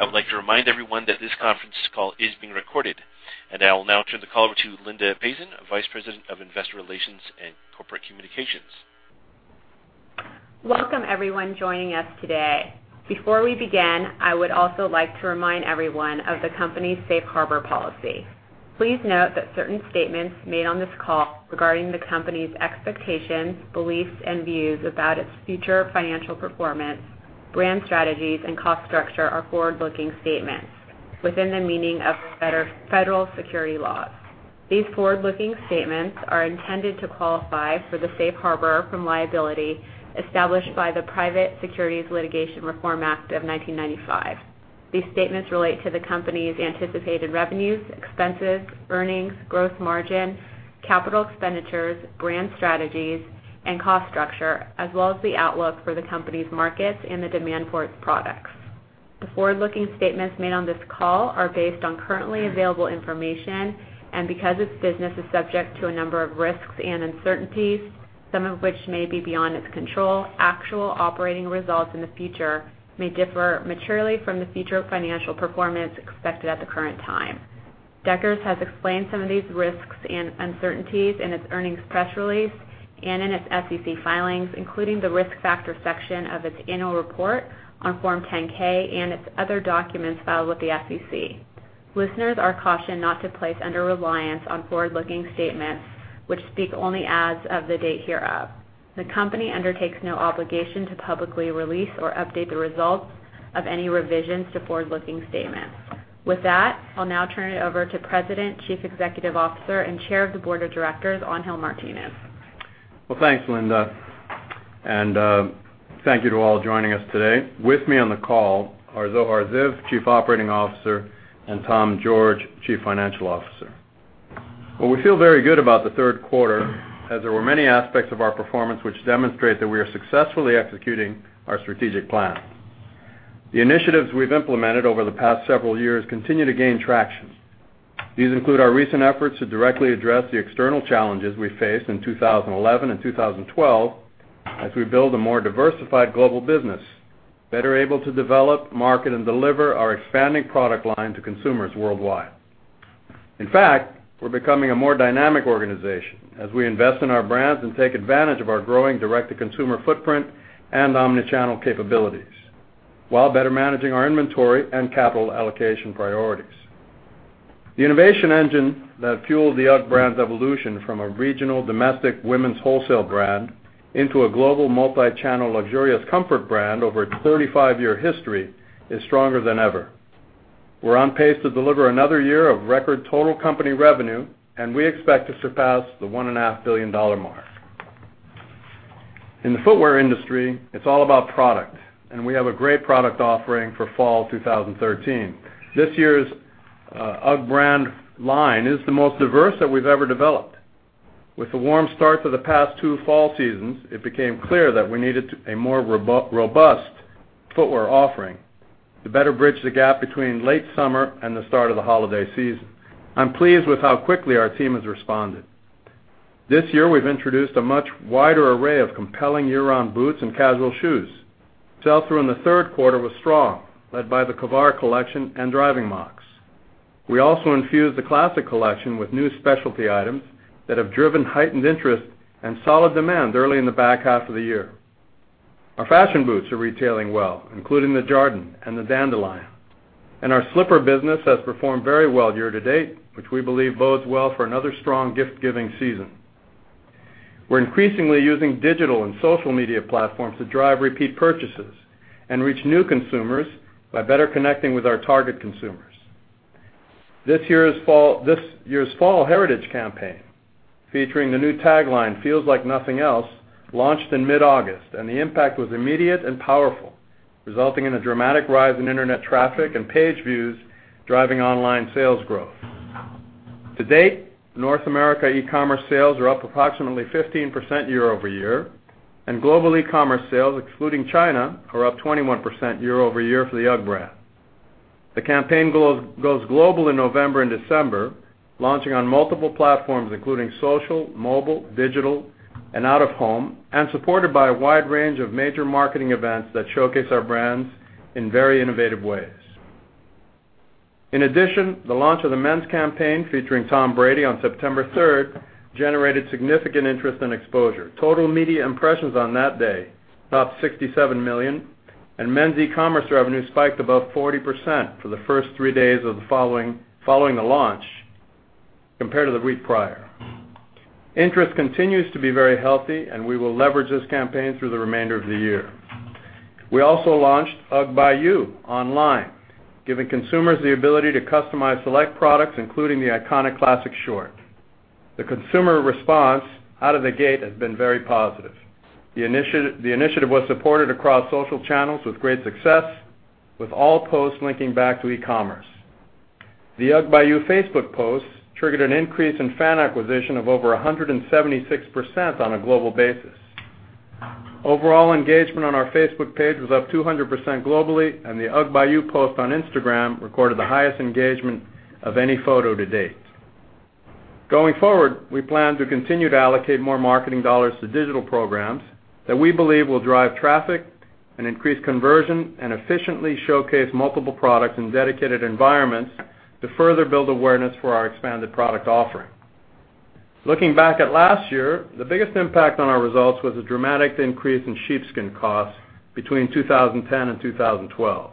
I would like to remind everyone that this conference call is being recorded. I will now turn the call over to Linda Pazin, Vice President of Investor Relations and Corporate Communications. Welcome everyone joining us today. Before we begin, I would also like to remind everyone of the company's safe harbor policy. Please note that certain statements made on this call regarding the company's expectations, beliefs, and views about its future financial performance, brand strategies, and cost structure are forward-looking statements within the meaning of federal securities laws. These forward-looking statements are intended to qualify for the safe harbor from liability established by the Private Securities Litigation Reform Act of 1995. These statements relate to the company's anticipated revenues, expenses, earnings, gross margin, capital expenditures, brand strategies, and cost structure, as well as the outlook for the company's markets and the demand for its products. The forward-looking statements made on this call are based on currently available information, and because its business is subject to a number of risks and uncertainties, some of which may be beyond its control, actual operating results in the future may differ materially from the future financial performance expected at the current time. Deckers has explained some of these risks and uncertainties in its earnings press release and in its SEC filings, including the Risk Factors section of its annual report on Form 10-K and its other documents filed with the SEC. Listeners are cautioned not to place undue reliance on forward-looking statements, which speak only as of the date hereof. The company undertakes no obligation to publicly release or update the results of any revisions to forward-looking statements. With that, I'll now turn it over to President, Chief Executive Officer, and Chair of the Board of Directors, Angel Martinez. Well, thanks, Linda. Thank you to all joining us today. With me on the call are Zohar Ziv, Chief Operating Officer, and Tom George, Chief Financial Officer. Well, we feel very good about the third quarter as there were many aspects of our performance which demonstrate that we are successfully executing our strategic plan. The initiatives we've implemented over the past several years continue to gain traction. These include our recent efforts to directly address the external challenges we faced in 2011 and 2012 as we build a more diversified global business, better able to develop, market, and deliver our expanding product line to consumers worldwide. In fact, we're becoming a more dynamic organization as we invest in our brands and take advantage of our growing direct-to-consumer footprint and omni-channel capabilities while better managing our inventory and capital allocation priorities. The innovation engine that fueled the UGG brand's evolution from a regional domestic women's wholesale brand into a global multi-channel luxurious comfort brand over its 35-year history is stronger than ever. We are on pace to deliver another year of record total company revenue, and we expect to surpass the $1.5 billion mark. In the footwear industry, it is all about product, and we have a great product offering for fall 2013. This year's UGG brand line is the most diverse that we have ever developed. With the warm starts of the past two fall seasons, it became clear that we needed a more robust footwear offering to better bridge the gap between late summer and the start of the holiday season. I am pleased with how quickly our team has responded. This year, we have introduced a much wider array of compelling year-round boots and casual shoes. Sales through in the third quarter were strong, led by the Koolaburra collection and Driving Mocs. We also infused the Classic collection with new specialty items that have driven heightened interest and solid demand early in the back half of the year. Our fashion boots are retailing well, including the Jardin and the Dandylion. Our slipper business has performed very well year to date, which we believe bodes well for another strong gift-giving season. We are increasingly using digital and social media platforms to drive repeat purchases and reach new consumers by better connecting with our target consumers. This year's fall Heritage campaign, featuring the new tagline, "Feels Like Nothing Else," launched in mid-August, and the impact was immediate and powerful, resulting in a dramatic rise in internet traffic and page views, driving online sales growth. To date, North America e-commerce sales are up approximately 15% year-over-year, and global e-commerce sales, excluding China, are up 21% year-over-year for the UGG brand. The campaign goes global in November and December, launching on multiple platforms, including social, mobile, digital, and out of home, and supported by a wide range of major marketing events that showcase our brands in very innovative ways. In addition, the launch of the men's campaign featuring Tom Brady on September 3rd generated significant interest and exposure. Total media impressions on that day topped 67 million, and men's e-commerce revenue spiked above 40% for the first three days following the launch compared to the week prior. Interest continues to be very healthy, and we will leverage this campaign through the remainder of the year. We also launched UGG by You online, giving consumers the ability to customize select products, including the iconic Classic Short. The consumer response out of the gate has been very positive. The initiative was supported across social channels with great success, with all posts linking back to e-commerce. The UGG by You Facebook posts triggered an increase in fan acquisition of over 176% on a global basis. Overall engagement on our Facebook page was up 200% globally, and the UGG by You post on Instagram recorded the highest engagement of any photo to date. Going forward, we plan to continue to allocate more marketing dollars to digital programs that we believe will drive traffic and increase conversion and efficiently showcase multiple products in dedicated environments to further build awareness for our expanded product offering. Looking back at last year, the biggest impact on our results was a dramatic increase in sheepskin costs between 2010 and 2012.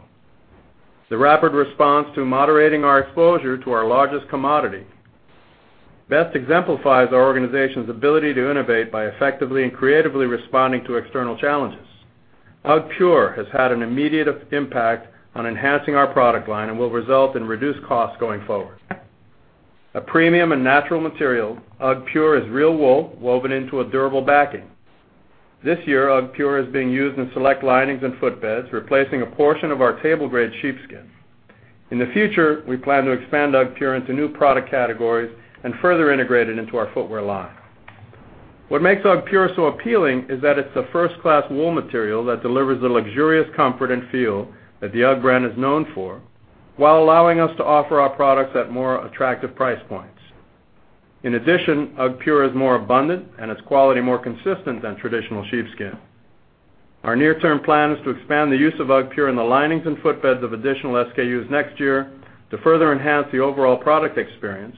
The rapid response to moderating our exposure to our largest commodity best exemplifies our organization's ability to innovate by effectively and creatively responding to external challenges. UGGpure has had an immediate impact on enhancing our product line and will result in reduced costs going forward. A premium and natural material, UGGpure is real wool woven into a durable backing. This year, UGGpure is being used in select linings and footbeds, replacing a portion of our table-grade sheepskin. In the future, we plan to expand UGGpure into new product categories and further integrate it into our footwear line. What makes UGGpure so appealing is that it's a first-class wool material that delivers the luxurious comfort and feel that the UGG brand is known for while allowing us to offer our products at more attractive price points. In addition, UGGpure is more abundant and its quality more consistent than traditional sheepskin. Our near-term plan is to expand the use of UGGpure in the linings and footbeds of additional SKUs next year to further enhance the overall product experience,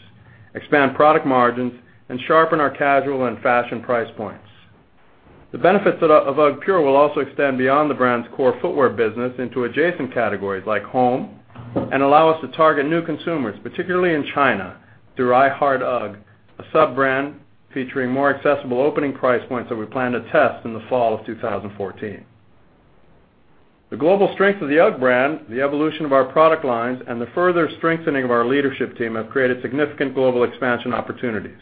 expand product margins, and sharpen our casual and fashion price points. The benefits of UGGpure will also extend beyond the brand's core footwear business into adjacent categories like home and allow us to target new consumers, particularly in China, through I Heart UGG, a sub-brand featuring more accessible opening price points that we plan to test in the fall of 2014. The global strength of the UGG brand, the evolution of our product lines, and the further strengthening of our leadership team have created significant global expansion opportunities,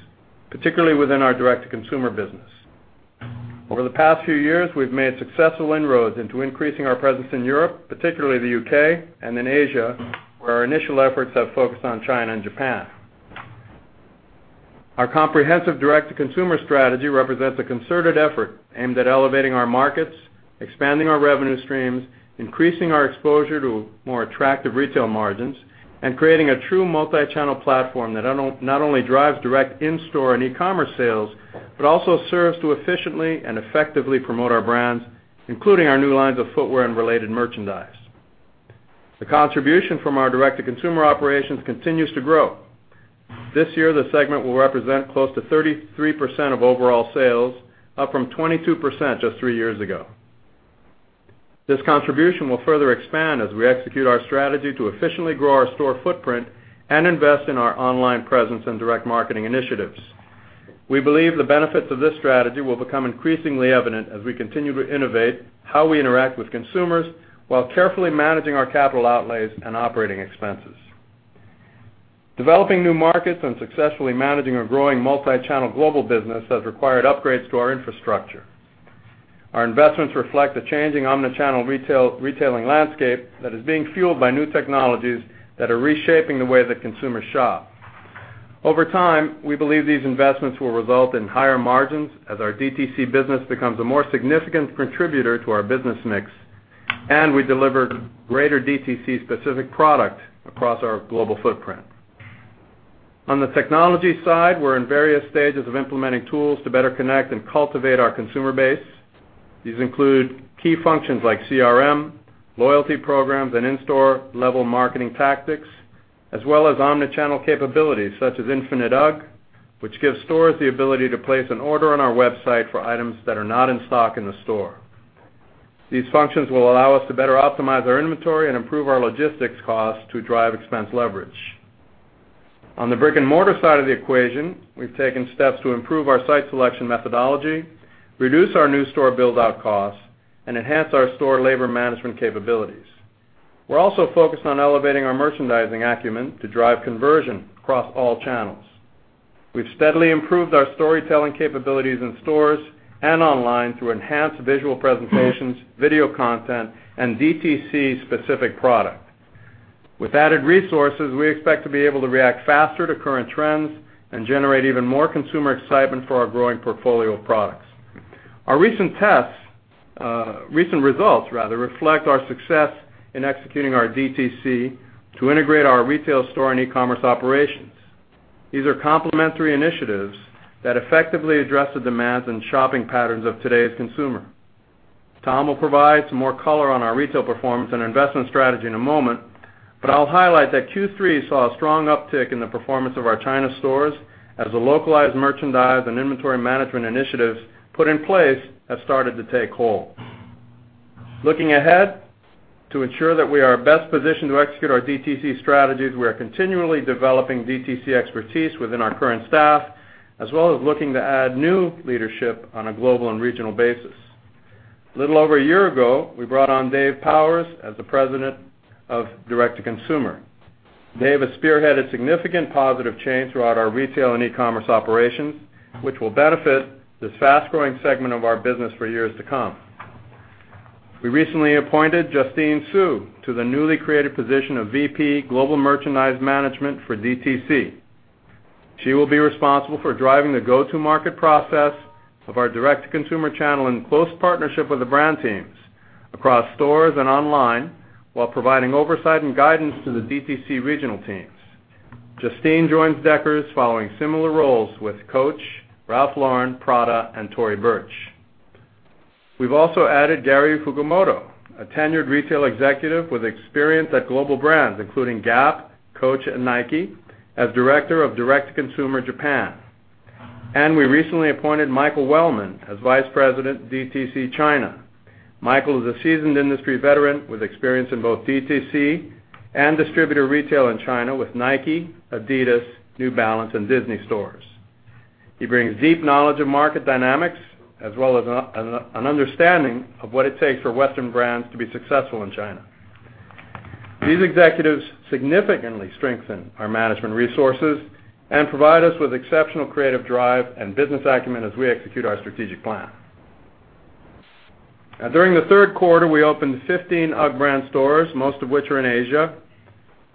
particularly within our direct-to-consumer business. Over the past few years, we've made successful inroads into increasing our presence in Europe, particularly the U.K., and in Asia, where our initial efforts have focused on China and Japan. Our comprehensive direct-to-consumer strategy represents a concerted effort aimed at elevating our markets, expanding our revenue streams, increasing our exposure to more attractive retail margins, and creating a true multi-channel platform that not only drives direct in-store and e-commerce sales, but also serves to efficiently and effectively promote our brands, including our new lines of footwear and related merchandise. The contribution from our direct-to-consumer operations continues to grow. This year, the segment will represent close to 33% of overall sales, up from 22% just three years ago. This contribution will further expand as we execute our strategy to efficiently grow our store footprint and invest in our online presence and direct marketing initiatives. We believe the benefits of this strategy will become increasingly evident as we continue to innovate how we interact with consumers while carefully managing our capital outlays and operating expenses. Developing new markets and successfully managing a growing multi-channel global business has required upgrades to our infrastructure. Our investments reflect the changing omni-channel retailing landscape that is being fueled by new technologies that are reshaping the way that consumers shop. Over time, we believe these investments will result in higher margins as our DTC business becomes a more significant contributor to our business mix, and we deliver greater DTC-specific product across our global footprint. On the technology side, we're in various stages of implementing tools to better connect and cultivate our consumer base. These include key functions like CRM, loyalty programs, and in-store level marketing tactics, as well as omnichannel capabilities such as Infinite UGG, which gives stores the ability to place an order on our website for items that are not in stock in the store. These functions will allow us to better optimize our inventory and improve our logistics costs to drive expense leverage. On the brick-and-mortar side of the equation, we've taken steps to improve our site selection methodology, reduce our new store build-out costs, and enhance our store labor management capabilities. We're also focused on elevating our merchandising acumen to drive conversion across all channels. We've steadily improved our storytelling capabilities in stores and online through enhanced visual presentations, video content, and DTC-specific product. With added resources, we expect to be able to react faster to current trends and generate even more consumer excitement for our growing portfolio of products. Our recent results reflect our success in executing our DTC to integrate our retail store and e-commerce operations. These are complementary initiatives that effectively address the demands and shopping patterns of today's consumer. Tom will provide some more color on our retail performance and investment strategy in a moment. I'll highlight that Q3 saw a strong uptick in the performance of our China stores as the localized merchandise and inventory management initiatives put in place have started to take hold. Looking ahead, to ensure that we are best positioned to execute our DTC strategies, we are continually developing DTC expertise within our current staff, as well as looking to add new leadership on a global and regional basis. A little over a year ago, we brought on Dave Powers as the President of Direct to Consumer. Dave has spearheaded significant positive change throughout our retail and e-commerce operations, which will benefit this fast-growing segment of our business for years to come. We recently appointed Justine Suh to the newly created position of VP Global Merchandise Management for DTC. She will be responsible for driving the go-to-market process of our direct-to-consumer channel in close partnership with the brand teams, across stores and online, while providing oversight and guidance to the DTC regional teams. Justine joins Deckers following similar roles with Coach, Ralph Lauren, Prada, and Tory Burch. We've also added Gary Fujimoto, a tenured retail executive with experience at global brands including Gap, Coach, and Nike, as Director of Direct to Consumer Japan. We recently appointed Michael Wellman as Vice President, DTC China. Michael is a seasoned industry veteran with experience in both DTC and distributor retail in China with Nike, Adidas, New Balance, and Disney Store. He brings deep knowledge of market dynamics as well as an understanding of what it takes for Western brands to be successful in China. These executives significantly strengthen our management resources and provide us with exceptional creative drive and business acumen as we execute our strategic plan. During the third quarter, we opened 15 UGG brand stores, most of which are in Asia.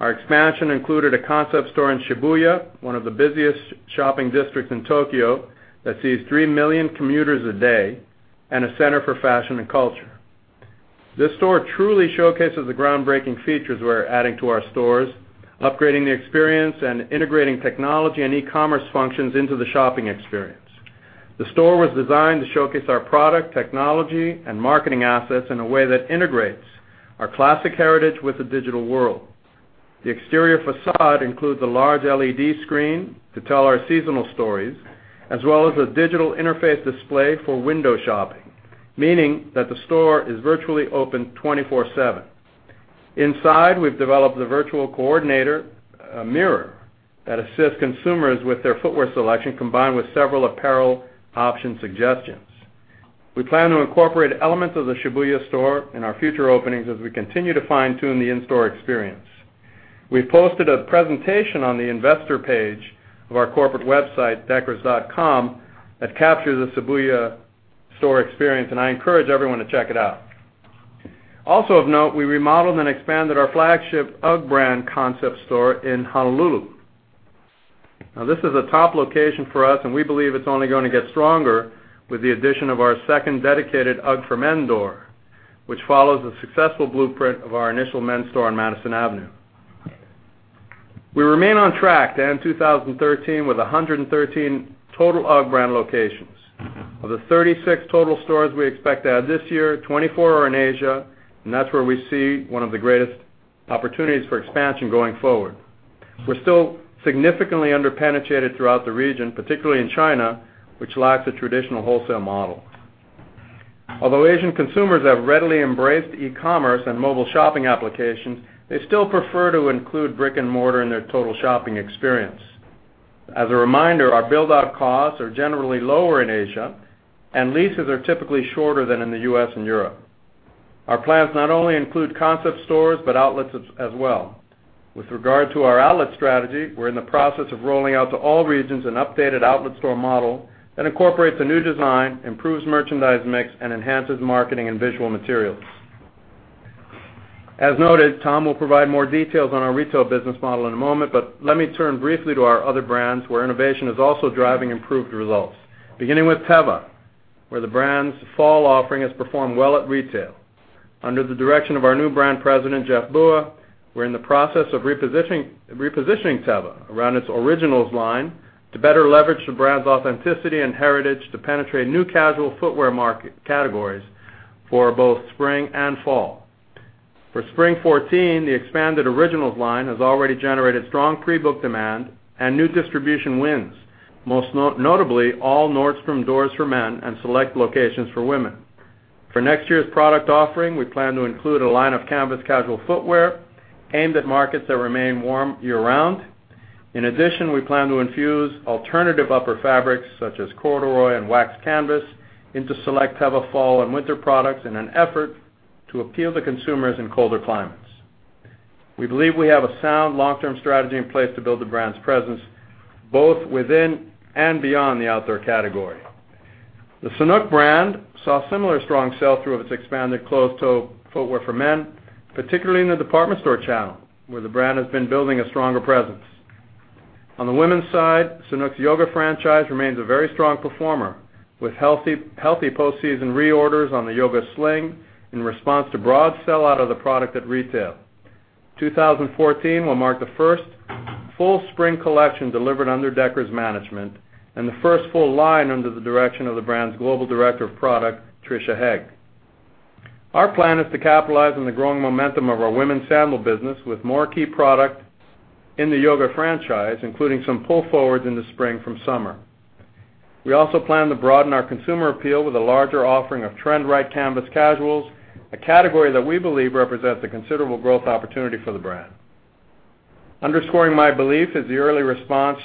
Our expansion included a concept store in Shibuya, one of the busiest shopping districts in Tokyo that sees 3 million commuters a day and a center for fashion and culture. This store truly showcases the groundbreaking features we're adding to our stores, upgrading the experience and integrating technology and e-commerce functions into the shopping experience. The store was designed to showcase our product, technology, and marketing assets in a way that integrates our classic heritage with the digital world. The exterior facade includes a large LED screen to tell our seasonal stories, as well as a digital interface display for window shopping, meaning that the store is virtually open 24/7. Inside, we've developed the virtual coordinator mirror that assists consumers with their footwear selection, combined with several apparel option suggestions. We plan to incorporate elements of the Shibuya store in our future openings as we continue to fine-tune the in-store experience. We've posted a presentation on the investor page of our corporate website, deckers.com, that captures the Shibuya store experience. I encourage everyone to check it out. Also of note, we remodeled and expanded our flagship UGG brand concept store in Honolulu. This is a top location for us. We believe it's only going to get stronger with the addition of our second dedicated UGG for men door, which follows the successful blueprint of our initial men's store on Madison Avenue. We remain on track to end 2013 with 113 total UGG brand locations. Of the 36 total stores we expect to add this year, 24 are in Asia. That's where we see one of the greatest opportunities for expansion going forward. We're still significantly under-penetrated throughout the region, particularly in China, which lacks a traditional wholesale model. Asian consumers have readily embraced e-commerce and mobile shopping applications, they still prefer to include brick and mortar in their total shopping experience. As a reminder, our build-out costs are generally lower in Asia. Leases are typically shorter than in the U.S. and Europe. Our plans not only include concept stores. Outlets as well. With regard to our outlet strategy, we're in the process of rolling out to all regions an updated outlet store model that incorporates a new design, improves merchandise mix, and enhances marketing and visual materials. As noted, Tom will provide more details on our retail business model in a moment. Let me turn briefly to our other brands, where innovation is also driving improved results. Beginning with Teva, where the brand's fall offering has performed well at retail. Under the direction of our new brand president, Jeff Bua, we're in the process of repositioning Teva around its originals line to better leverage the brand's authenticity and heritage to penetrate new casual footwear market categories for both spring and fall. For spring 2014, the expanded originals line has already generated strong pre-book demand and new distribution wins, most notably all Nordstrom doors for men and select locations for women. For next year's product offering, we plan to include a line of canvas casual footwear aimed at markets that remain warm year-round. In addition, we plan to infuse alternative upper fabrics such as corduroy and wax canvas into select Teva fall and winter products in an effort to appeal to consumers in colder climates. We believe we have a sound long-term strategy in place to build the brand's presence both within and beyond the outdoor category. The Sanuk brand saw similar strong sell-through of its expanded closed-toe footwear for men, particularly in the department store channel, where the brand has been building a stronger presence. On the women's side, Sanuk's yoga franchise remains a very strong performer with healthy post-season reorders on the Yoga Sling in response to broad sell-out of the product at retail. 2014 will mark the first full spring collection delivered under Deckers' management and the first full line under the direction of the brand's Global Director of Product, Trisha Hegg. Our plan is to capitalize on the growing momentum of our women's sandal business with more key product in the yoga franchise, including some pull forwards in the spring from summer. We also plan to broaden our consumer appeal with a larger offering of trend-right canvas casuals, a category that we believe represents a considerable growth opportunity for the brand. Underscoring my belief is the early response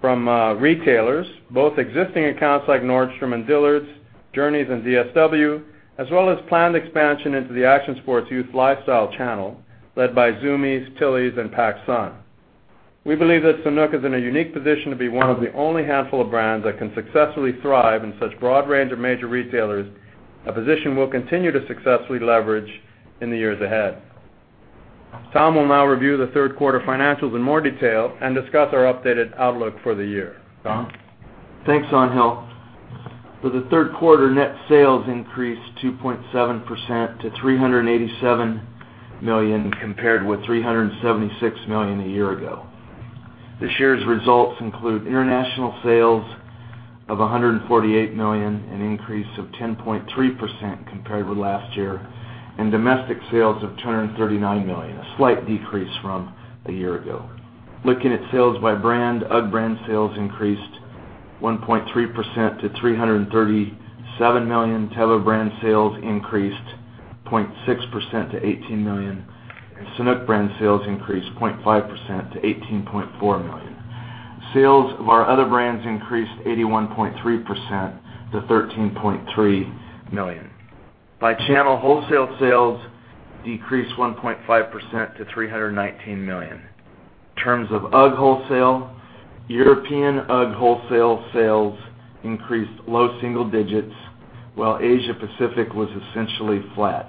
from retailers, both existing accounts like Nordstrom and Dillard's, Journeys and DSW, as well as planned expansion into the action sports youth lifestyle channel led by Zumiez, Tilly's, and PacSun. We believe that Sanuk is in a unique position to be one of the only handful of brands that can successfully thrive in such broad range of major retailers, a position we'll continue to successfully leverage in the years ahead. Tom will now review the third quarter financials in more detail and discuss our updated outlook for the year. Tom? Thanks, Angel. For the third quarter, net sales increased 2.7% to $387 million compared with $376 million a year ago. This year's results include international sales of $148 million, an increase of 10.3% compared with last year, and domestic sales of $239 million, a slight decrease from a year ago. Looking at sales by brand, UGG brand sales increased 1.3% to $337 million, Teva brand sales increased 0.6% to $18 million, and Sanuk brand sales increased 0.5% to $18.4 million. Sales of our other brands increased 81.3% to $13.3 million. By channel, wholesale sales decreased 1.5% to $319 million. In terms of UGG wholesale, European UGG wholesale sales increased low single digits, while Asia-Pacific was essentially flat.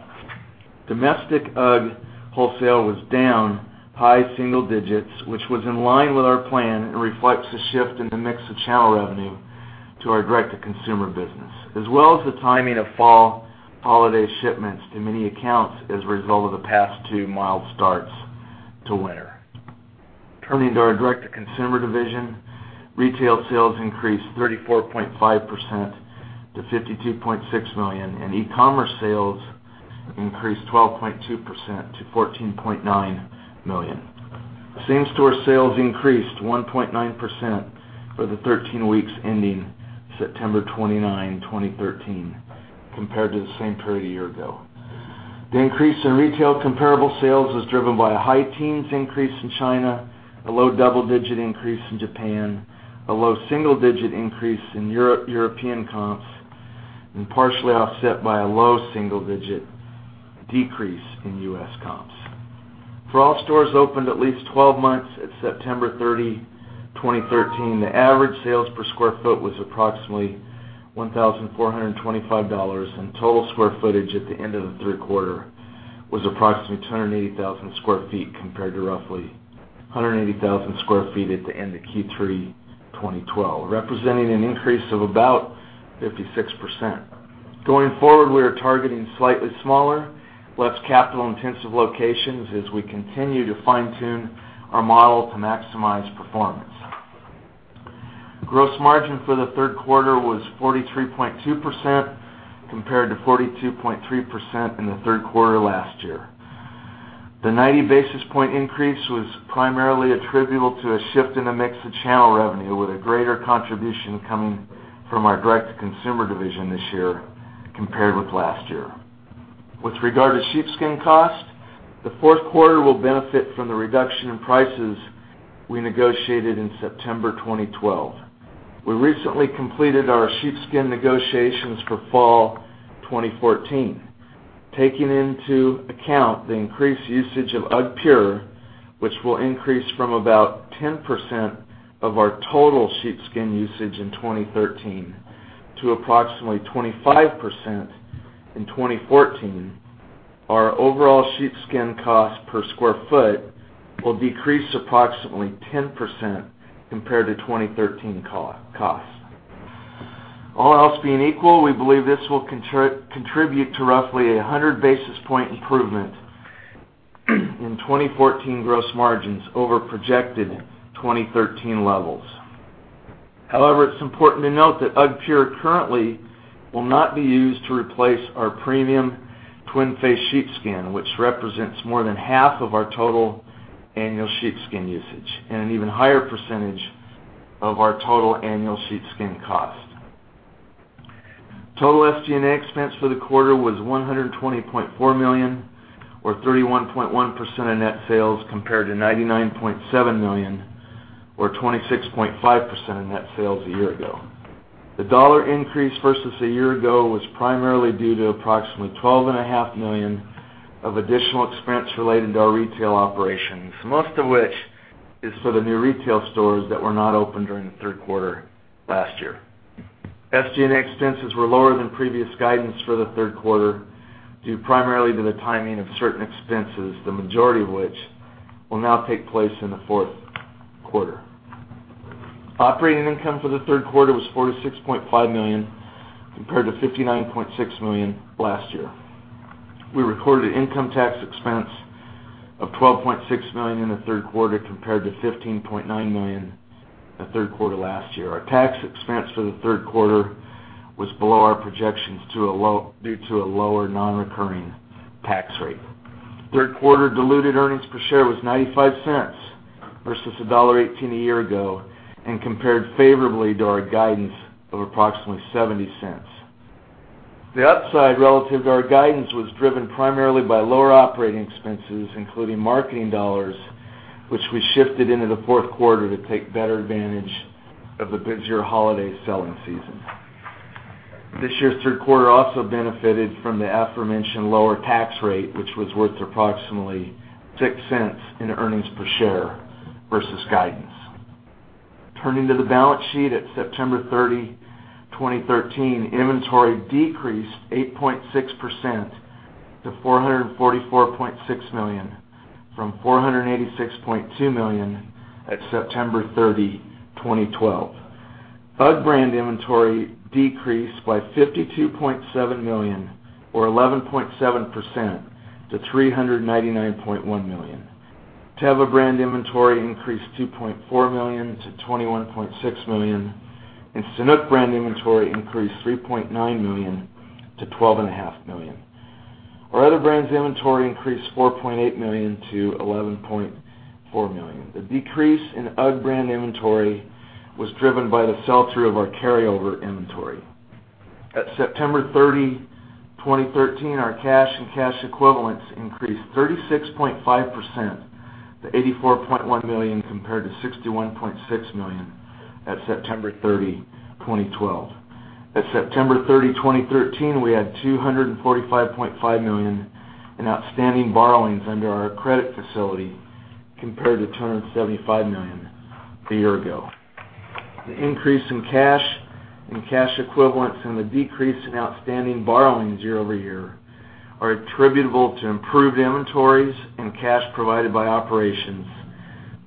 Domestic UGG wholesale was down high single digits, which was in line with our plan and reflects the shift in the mix of channel revenue to our direct-to-consumer business, as well as the timing of fall holiday shipments to many accounts as a result of the past two mild starts to winter. Turning to our direct-to-consumer division, retail sales increased 34.5% to $52.6 million, and e-commerce sales increased 12.2% to $14.9 million. Same-store sales increased 1.9% for the 13 weeks ending September 29, 2013, compared to the same period a year ago. The increase in retail comparable sales was driven by a high teens increase in China, a low double-digit increase in Japan, a low single-digit increase in European comps, partially offset by a low single-digit decrease in U.S. comps. For all stores opened at least 12 months at September 30, 2013, the average sales per square foot was approximately $1,425, and total square footage at the end of the third quarter was approximately 280,000 square feet compared to roughly 180,000 square feet at the end of Q3 2012, representing an increase of about 56%. Going forward, we are targeting slightly smaller, less capital-intensive locations as we continue to fine-tune our model to maximize performance. Gross margin for the third quarter was 43.2% compared to 42.3% in the third quarter last year. The 90-basis point increase was primarily attributable to a shift in the mix of channel revenue, with a greater contribution coming from our direct-to-consumer division this year compared with last year. With regard to sheepskin cost, the fourth quarter will benefit from the reduction in prices we negotiated in September 2012. We recently completed our sheepskin negotiations for fall 2014. Taking into account the increased usage of UGGpure, which will increase from about 10% of our total sheepskin usage in 2013 to approximately 25% in 2014, our overall sheepskin cost per square foot will decrease approximately 10% compared to 2013 costs. All else being equal, we believe this will contribute to roughly a 100-basis point improvement in 2014 gross margins over projected 2013 levels. However, it's important to note that UGGpure currently will not be used to replace our premium twin face sheepskin, which represents more than half of our total annual sheepskin usage and an even higher percentage of our total annual sheepskin cost. Total SG&A expense for the quarter was $120.4 million, or 31.1% of net sales, compared to $99.7 million, or 26.5% of net sales a year ago. The dollar increase versus a year ago was primarily due to approximately $12.5 million of additional expense related to our retail operations, most of which is for the new retail stores that were not open during the third quarter last year. SG&A expenses were lower than previous guidance for the third quarter, due primarily to the timing of certain expenses, the majority of which will now take place in the fourth quarter. Operating income for the third quarter was $46.5 million, compared to $59.6 million last year. We recorded income tax expense of $12.6 million in the third quarter compared to $15.9 million in the third quarter last year. Our tax expense for the third quarter was below our projections due to a lower non-recurring tax rate. Third quarter diluted earnings per share was $0.95 versus $1.18 a year ago, and compared favorably to our guidance of approximately $0.70. The upside relative to our guidance was driven primarily by lower operating expenses, including marketing dollars, which we shifted into the fourth quarter to take better advantage of the busier holiday selling season. This year's third quarter also benefited from the aforementioned lower tax rate, which was worth approximately $0.06 in earnings per share versus guidance. Turning to the balance sheet at September 30, 2013, inventory decreased 8.6% to $444.6 million from $486.2 million at September 30, 2012. UGG brand inventory decreased by $52.7 million or 11.7% to $399.1 million. Teva brand inventory increased $2.4 million to $21.6 million, and Sanuk brand inventory increased $3.9 million to $12.5 million. Our other brands inventory increased $4.8 million to $11.4 million. The decrease in UGG brand inventory was driven by the sell-through of our carryover inventory. At September 30, 2013, our cash and cash equivalents increased 36.5% to $84.1 million, compared to $61.6 million at September 30, 2012. At September 30, 2013, we had $245.5 million in outstanding borrowings under our credit facility, compared to $275 million a year ago. The increase in cash and cash equivalents and the decrease in outstanding borrowings year-over-year are attributable to improved inventories and cash provided by operations,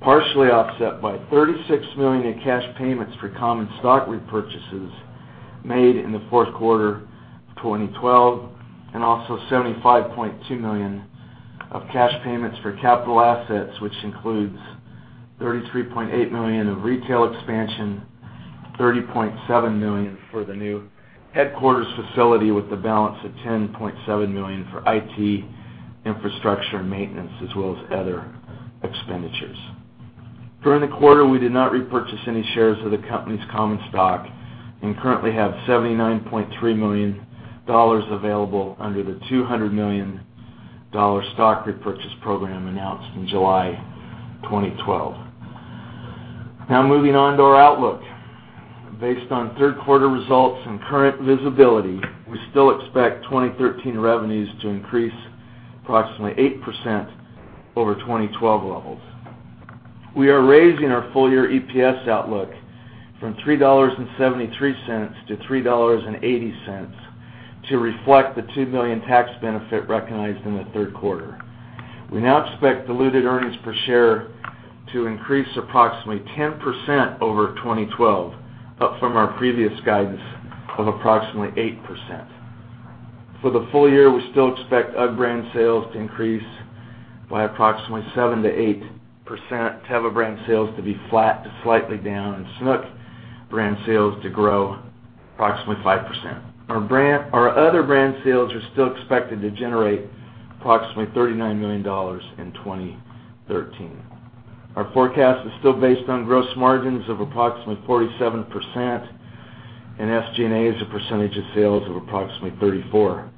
partially offset by $36 million in cash payments for common stock repurchases made in the fourth quarter of 2012, and also $75.2 million of cash payments for capital assets, which includes $33.8 million of retail expansion, $30.7 million for the new headquarters facility, with the balance of $10.7 million for IT, infrastructure, and maintenance, as well as other expenditures. During the quarter, we did not repurchase any shares of the company's common stock and currently have $79.3 million available under the $200 million stock repurchase program announced in July 2012. Now moving on to our outlook. Based on third quarter results and current visibility, we still expect 2013 revenues to increase approximately 8% over 2012 levels. We are raising our full-year EPS outlook from $3.73 to $3.80 to reflect the $2 million tax benefit recognized in the third quarter. We now expect diluted earnings per share to increase approximately 10% over 2012, up from our previous guidance of approximately 8%. For the full year, we still expect UGG brand sales to increase by approximately 7%-8%, Teva brand sales to be flat to slightly down, and Sanuk brand sales to grow approximately 5%. Our other brand sales are still expected to generate approximately $39 million in 2013. Our forecast is still based on gross margins of approximately 47% and SG&A as a percentage of sales of approximately 34%.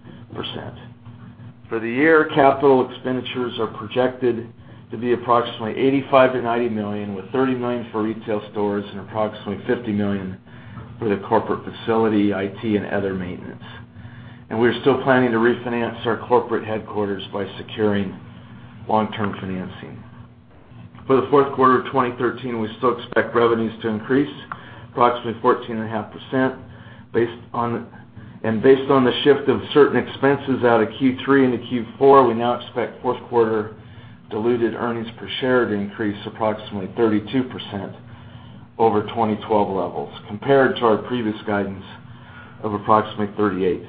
For the year, capital expenditures are projected to be approximately $85 million-$90 million, with $30 million for retail stores and approximately $50 million for the corporate facility, IT, and other maintenance. We're still planning to refinance our corporate headquarters by securing long-term financing. For the fourth quarter of 2013, we still expect revenues to increase approximately 14.5%. Based on the shift of certain expenses out of Q3 into Q4, we now expect fourth quarter diluted earnings per share to increase approximately 32% over 2012 levels, compared to our previous guidance of approximately 38%.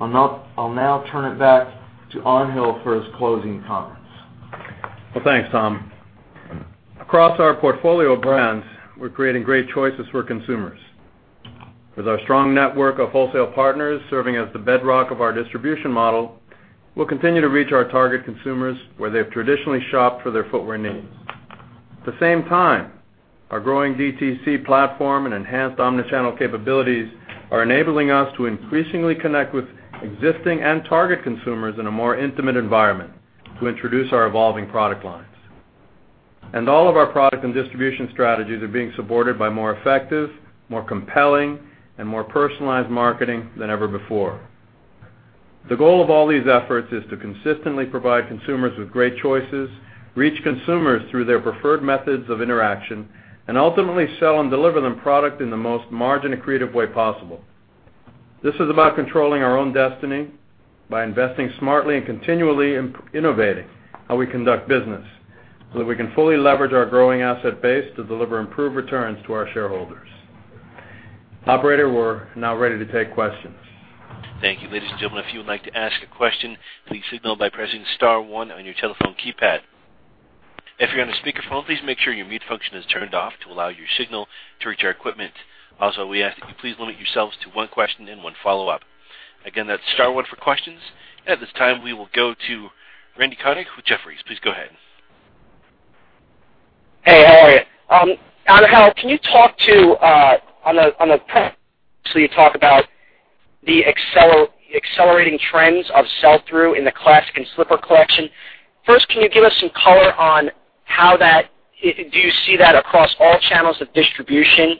I'll now turn it back to Angel Martinez for his closing comments. Well, thanks, Tom. Across our portfolio of brands, we're creating great choices for consumers. With our strong network of wholesale partners serving as the bedrock of our distribution model, we'll continue to reach our target consumers where they've traditionally shopped for their footwear needs. At the same time, our growing DTC platform and enhanced omni-channel capabilities are enabling us to increasingly connect with existing and target consumers in a more intimate environment to introduce our evolving product lines. All of our product and distribution strategies are being supported by more effective, more compelling, and more personalized marketing than ever before. The goal of all these efforts is to consistently provide consumers with great choices, reach consumers through their preferred methods of interaction, and ultimately sell and deliver them product in the most margin-accretive way possible. This is about controlling our own destiny by investing smartly and continually innovating how we conduct business so that we can fully leverage our growing asset base to deliver improved returns to our shareholders. Operator, we're now ready to take questions. Thank you. Ladies and gentlemen, if you would like to ask a question, please signal by pressing *1 on your telephone keypad. If you're on a speakerphone, please make sure your mute function is turned off to allow your signal to reach our equipment. Also, we ask that you please limit yourselves to one question and one follow-up. Again, that's *1 for questions. At this time, we will go to Randal Konik with Jefferies. Please go ahead. Hey, how are you? Angel, on the press release, you talk about the accelerating trends of sell-through in the Classic and Slipper collection. First, can you give us some color on, do you see that across all channels of distribution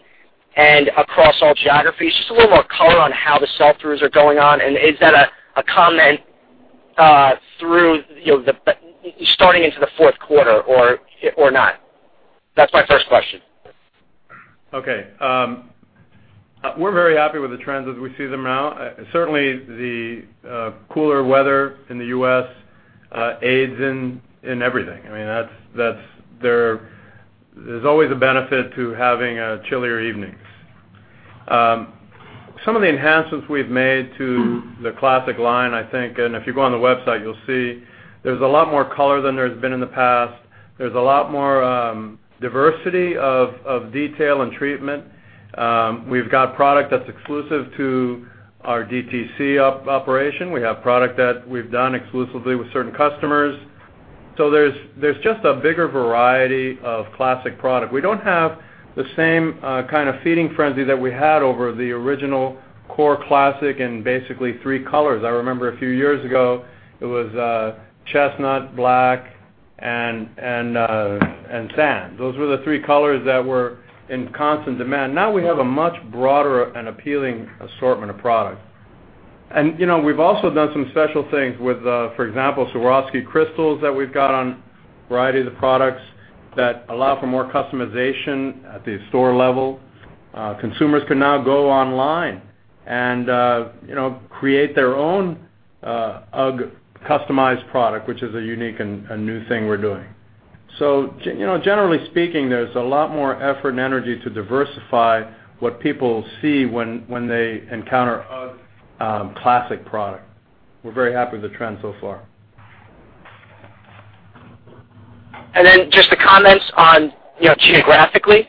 and across all geographies? Just a little more color on how the sell-throughs are going on, and is that a common through starting into the fourth quarter or not? That's my first question. Okay. We're very happy with the trends as we see them now. Certainly, the cooler weather in the U.S. aids in everything. There's always a benefit to having chillier evenings. Some of the enhancements we've made to the classic line, I think, if you go on the website, you'll see there's a lot more color than there's been in the past. There's a lot more diversity of detail and treatment. We've got product that's exclusive to our DTC operation. We have product that we've done exclusively with certain customers. There's just a bigger variety of classic product. We don't have the same kind of feeding frenzy that we had over the original core classic in basically three colors. I remember a few years ago, it was chestnut, black, and sand. Those were the three colors that were in constant demand. Now we have a much broader and appealing assortment of products. We've also done some special things with, for example, Swarovski crystals that we've got on a variety of the products that allow for more customization at the store level. Consumers can now go online and create their own UGG customized product, which is a unique and new thing we're doing. Generally speaking, there's a lot more effort and energy to diversify what people see when they encounter UGG classic product. We're very happy with the trend so far. Just the comments on, geographically.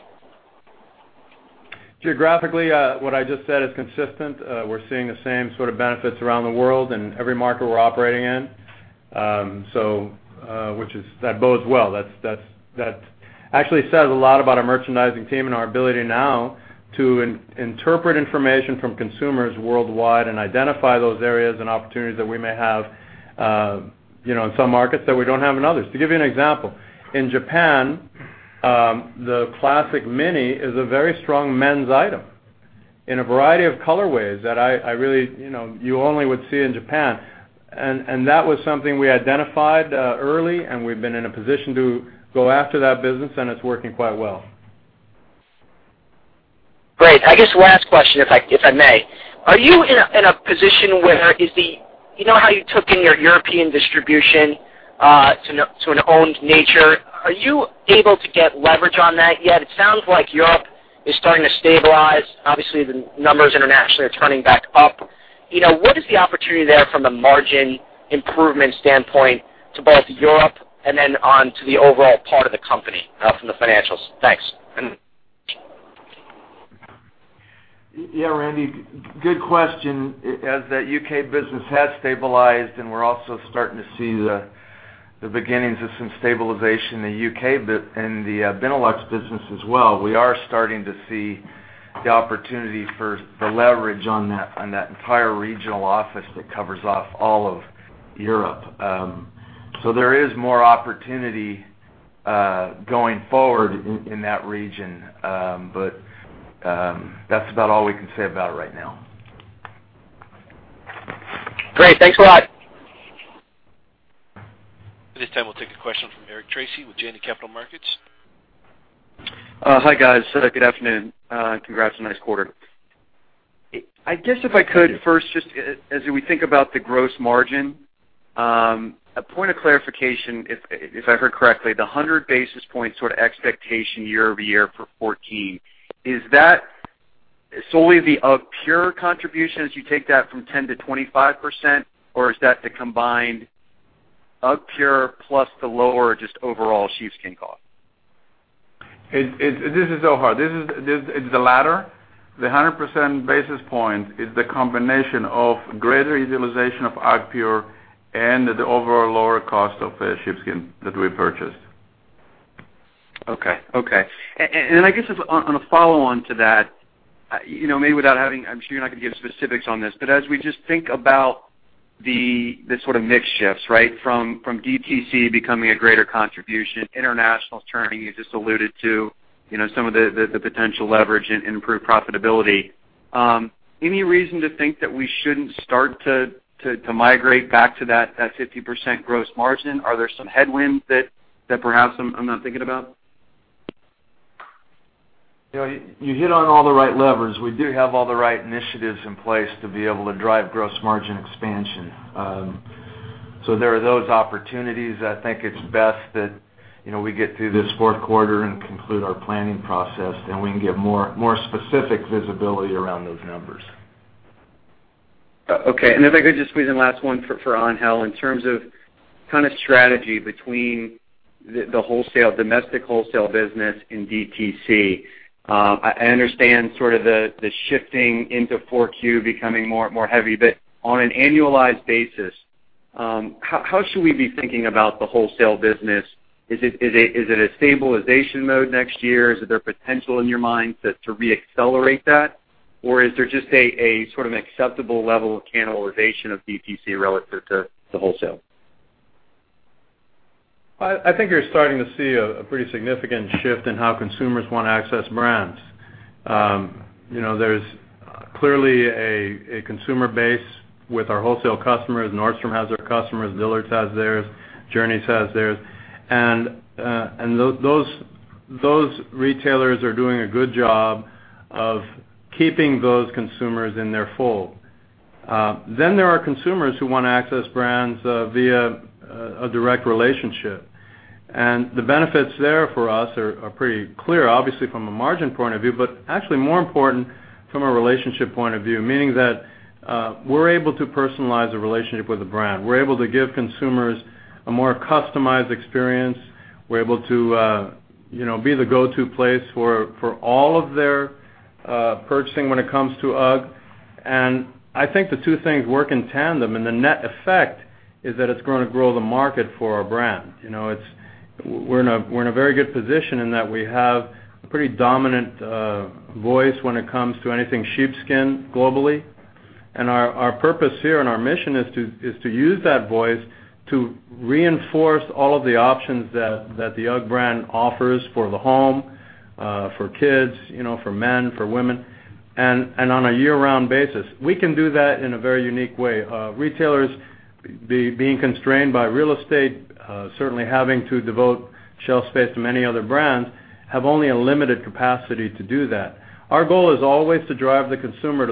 Geographically, what I just said is consistent. We're seeing the same sort of benefits around the world in every market we're operating in. That bodes well. That actually says a lot about our merchandising team and our ability now to interpret information from consumers worldwide and identify those areas and opportunities that we may have in some markets that we don't have in others. To give you an example, in Japan, the Classic Mini is a very strong men's item in a variety of colorways that you only would see in Japan. That was something we identified early, and we've been in a position to go after that business, and it's working quite well. Great. I guess last question, if I may. Are you in a position where, you know how you took in your European distribution to an owned nature, are you able to get leverage on that yet? It sounds like Europe is starting to stabilize. Obviously, the numbers internationally are turning back up. What is the opportunity there from a margin improvement standpoint to both Europe and then on to the overall part of the company from the financials? Thanks. Yeah, Randy, good question. As that U.K. business has stabilized, and we're also starting to see the beginnings of some stabilization in the U.K., and the Benelux business as well. We are starting to see the opportunity for the leverage on that entire regional office that covers off all of Europe. There is more opportunity going forward in that region. That's about all we can say about it right now. Great. Thanks a lot. At this time, we'll take a question from Eric Tracy with Janney Capital Markets. Hi, guys. Good afternoon. Congrats on nice quarter. I guess if I could first, just as we think about the gross margin, a point of clarification, if I heard correctly, the 100 basis points sort of expectation year-over-year for 2014, is that solely the UGGpure contribution as you take that from 10% to 25%? Or is that the combined UGGpure plus the lower just overall sheepskin cost? This is Angel. It's the latter. The 100 basis points is the combination of greater utilization of UGGpure and the overall lower cost of sheepskin that we purchased. Okay. I guess on a follow-on to that, I'm sure you're not going to give specifics on this, but as we just think about the sort of mix shifts, from DTC becoming a greater contribution, international turning, you just alluded to some of the potential leverage and improved profitability. Any reason to think that we shouldn't start to migrate back to that 50% gross margin? Are there some headwinds that perhaps I'm not thinking about? You hit on all the right levers. We do have all the right initiatives in place to be able to drive gross margin expansion. There are those opportunities. I think it's best that we get through this fourth quarter and conclude our planning process, we can give more specific visibility around those numbers. Okay, if I could just squeeze in last one for Angel. In terms of kind of strategy between the domestic wholesale business and DTC. I understand sort of the shifting into 4Q becoming more heavy, but on an annualized basis, how should we be thinking about the wholesale business? Is it a stabilization mode next year? Is there potential in your mind to re-accelerate that? Or is there just a sort of acceptable level of cannibalization of DTC relative to the wholesale? I think you're starting to see a pretty significant shift in how consumers want to access brands. There's clearly a consumer base with our wholesale customers. Nordstrom has their customers, Dillard's has theirs, Journeys has theirs, those retailers are doing a good job of keeping those consumers in their fold. Then there are consumers who want to access brands via a direct relationship. The benefits there for us are pretty clear, obviously, from a margin point of view, but actually more important from a relationship point of view, meaning that we're able to personalize the relationship with the brand. We're able to give consumers a more customized experience. We're able to be the go-to place for all of their purchasing when it comes to UGG. I think the two things work in tandem, and the net effect is that it's going to grow the market for our brand. We're in a very good position in that we have a pretty dominant voice when it comes to anything sheepskin globally. Our purpose here and our mission is to use that voice to reinforce all of the options that the UGG brand offers for the home, for kids, for men, for women, and on a year-round basis. We can do that in a very unique way. Retailers, being constrained by real estate, certainly having to devote shelf space to many other brands, have only a limited capacity to do that. Our goal is always to drive the consumer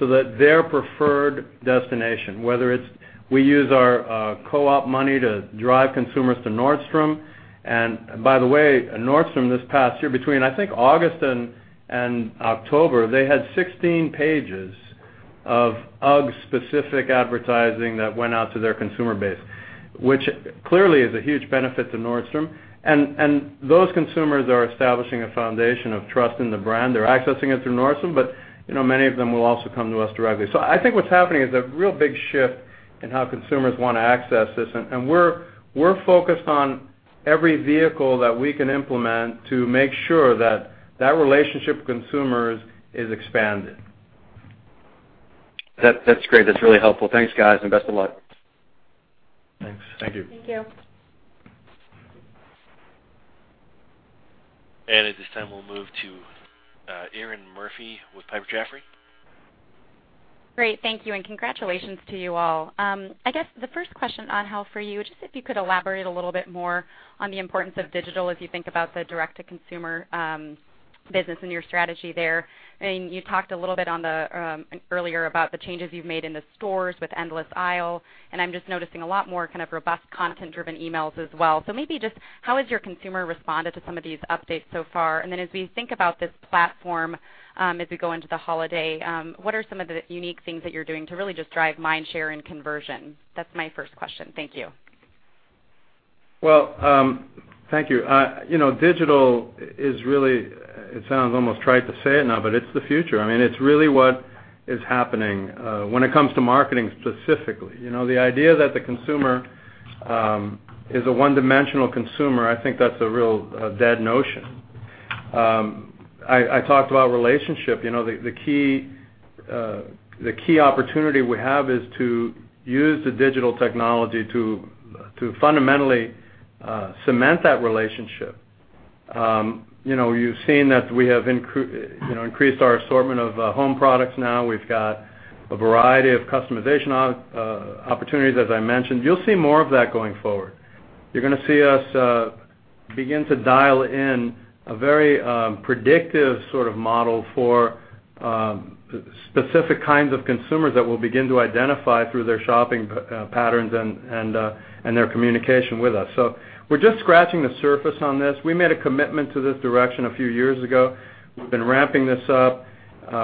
to their preferred destination, whether it's we use our co-op money to drive consumers to Nordstrom. By the way, Nordstrom this past year, between, I think, August and October, they had 16 pages of UGG-specific advertising that went out to their consumer base, which clearly is a huge benefit to Nordstrom. Those consumers are establishing a foundation of trust in the brand. They're accessing it through Nordstrom, but many of them will also come to us directly. I think what's happening is a real big shift in how consumers want to access this, and we're focused on every vehicle that we can implement to make sure that that relationship with consumers is expanded. That's great. That's really helpful. Thanks, guys, and best of luck. Thanks. Thank you. Thank you. At this time, we'll move to Erinn Murphy with Piper Jaffray. Great. Thank you, and congratulations to you all. I guess the first question, Angel, for you, just if you could elaborate a little bit more on the importance of digital as you think about the direct-to-consumer business and your strategy there. You talked a little bit earlier about the changes you've made in the stores with endless aisle, and I'm just noticing a lot more kind of robust content-driven emails as well. Maybe just how has your consumer responded to some of these updates so far? And then as we think about this platform as we go into the holiday, what are some of the unique things that you're doing to really just drive mind share and conversion? That's my first question. Thank you. Well, thank you. Digital is really, it sounds almost trite to say it now, but it's the future. It's really what is happening when it comes to marketing specifically. The idea that the consumer is a one-dimensional consumer, I think that's a real dead notion. I talked about relationship. The key opportunity we have is to use the digital technology to fundamentally cement that relationship. You've seen that we have increased our assortment of home products now. We've got a variety of customization opportunities, as I mentioned. You'll see more of that going forward. You're going to see us begin to dial in a very predictive sort of model for specific kinds of consumers that we'll begin to identify through their shopping patterns and their communication with us. We're just scratching the surface on this. We made a commitment to this direction a few years ago. We've been ramping this up.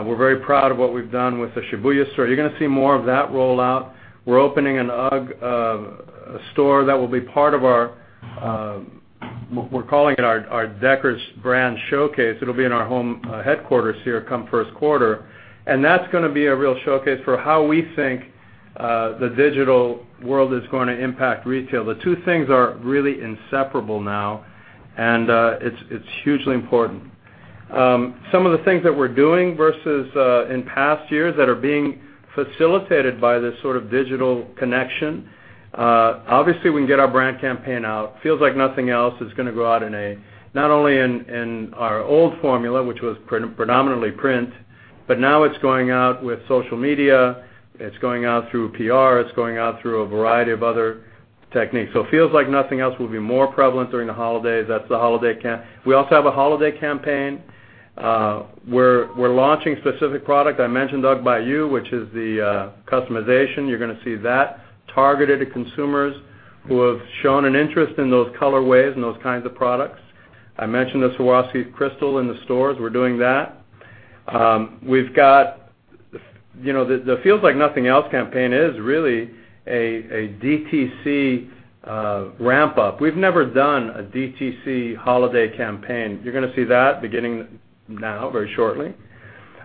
We're very proud of what we've done with the Shibuya store. You're going to see more of that roll out. We're opening an UGG store that will be part of our, we're calling it our Deckers brand showcase. It'll be in our home headquarters here come first quarter. That's going to be a real showcase for how we think the digital world is going to impact retail. The two things are really inseparable now, and it's hugely important. Some of the things that we're doing versus in past years that are being facilitated by this sort of digital connection, obviously, we can get our brand campaign out. Feels Like Nothing Else is going to go out not only in our old formula, which was predominantly print, but now it's going out with social media, it's going out through PR, it's going out through a variety of other techniques. Feels Like Nothing Else will be more prevalent during the holidays. That's the holiday campaign. We also have a holiday campaign. We're launching specific product. I mentioned UGG by You, which is the customization. You're going to see that targeted to consumers who have shown an interest in those colorways and those kinds of products. I mentioned the Swarovski crystal in the stores. We're doing that. The Feels Like Nothing Else campaign is really a DTC ramp up. We've never done a DTC holiday campaign. You're going to see that beginning now, very shortly.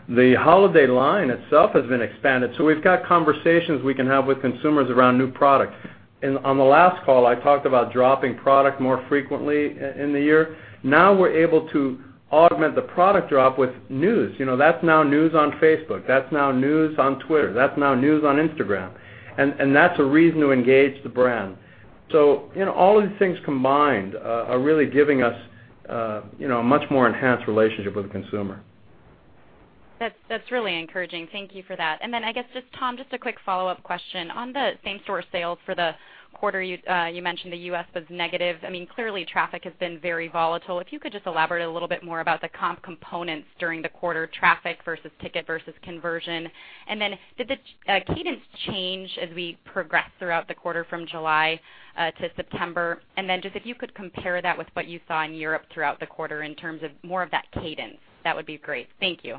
The holiday line itself has been expanded, we've got conversations we can have with consumers around new product. On the last call, I talked about dropping product more frequently in the year. Now we're able to augment the product drop with news. That's now news on Facebook. That's now news on Twitter. That's now news on Instagram. That's a reason to engage the brand. All of the things combined are really giving us a much more enhanced relationship with the consumer. That's really encouraging. Thank you for that. I guess, Tom, just a quick follow-up question. On the same-store sales for the quarter, you mentioned the U.S. was negative. Clearly, traffic has been very volatile. If you could just elaborate a little bit more about the comp components during the quarter, traffic versus ticket versus conversion. Did the cadence change as we progressed throughout the quarter from July to September? If you could compare that with what you saw in Europe throughout the quarter in terms of more of that cadence, that would be great. Thank you.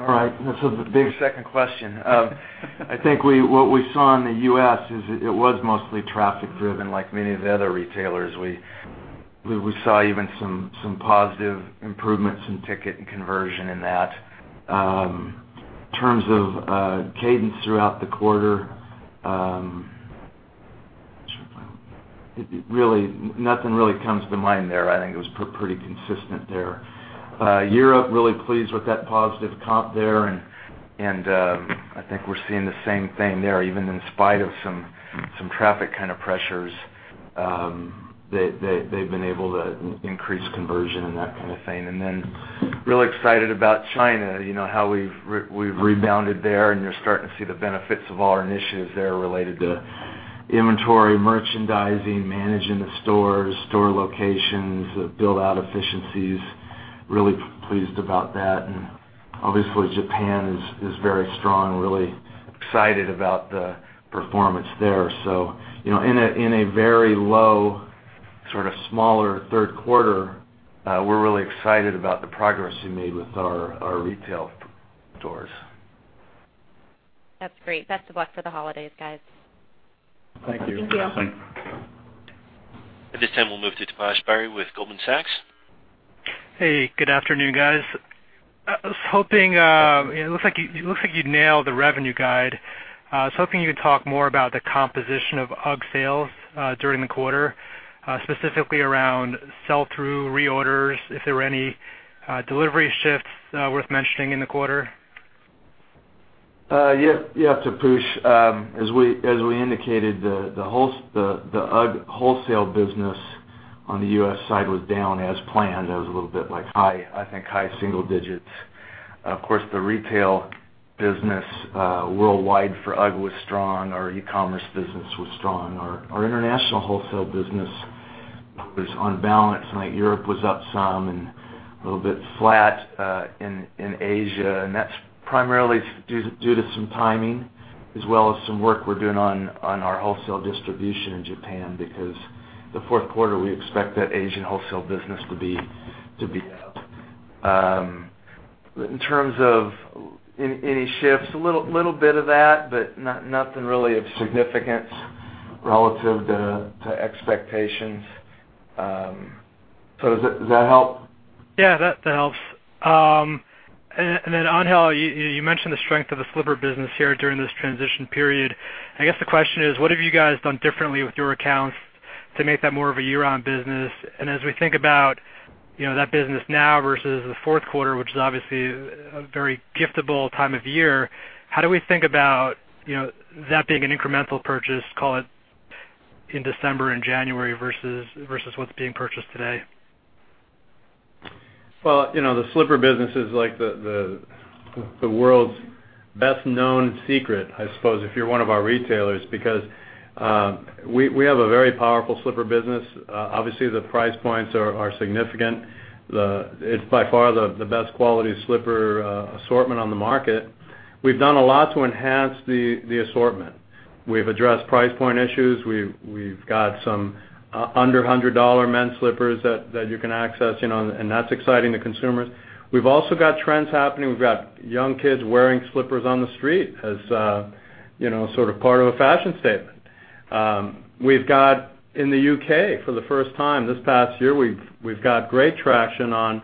All right. This is the big second question. I think what we saw in the U.S. is it was mostly traffic driven, like many of the other retailers. We saw even some positive improvements in ticket and conversion in that. In terms of cadence throughout the quarter, nothing really comes to mind there. I think it was pretty consistent there. Europe, really pleased with that positive comp there, I think we're seeing the same thing there, even in spite of some traffic kind of pressures, they've been able to increase conversion and that kind of thing. Real excited about China, how we've rebounded there, you're starting to see the benefits of all our initiatives there related to inventory, merchandising, managing the stores, store locations, build-out efficiencies. Really pleased about that. Obviously, Japan is very strong. Really excited about the performance there. In a very low sort of smaller third quarter, we're really excited about the progress we made with our retail stores. That's great. Best of luck for the holidays, guys. Thank you. Thank you. At this time, we'll move to Taposh Bari with Goldman Sachs. Hey, good afternoon, guys. It looks like you nailed the revenue guide. I was hoping you could talk more about the composition of UGG sales during the quarter, specifically around sell-through, reorders, if there were any delivery shifts worth mentioning in the quarter. Yeah, Taposh. As we indicated, the UGG wholesale business on the U.S. side was down as planned. It was a little bit like, I think, high single digits. Of course, the retail business worldwide for UGG was strong. Our e-commerce business was strong. Our international wholesale business was on balance, Europe was up some and a little bit flat in Asia, that's primarily due to some timing as well as some work we're doing on our wholesale distribution in Japan because the fourth quarter we expect that Asian wholesale business to be up. In terms of any shifts, a little bit of that, but nothing really of significance relative to expectations. Does that help? Angel, you mentioned the strength of the slipper business here during this transition period. I guess the question is, what have you guys done differently with your accounts to make that more of a year-round business? As we think about that business now versus the fourth quarter, which is obviously a very giftable time of year, how do we think about that being an incremental purchase, call it in December and January versus what's being purchased today? Well, the slipper business is like the world's best-known secret, I suppose if you're one of our retailers because we have a very powerful slipper business. Obviously, the price points are significant. It's by far the best quality slipper assortment on the market. We've done a lot to enhance the assortment. We've addressed price point issues. We've got some under $100 men's slippers that you can access, and that's exciting to consumers. We've also got trends happening. We've got young kids wearing slippers on the street as sort of part of a fashion statement. In the U.K. for the first time this past year, we've got great traction on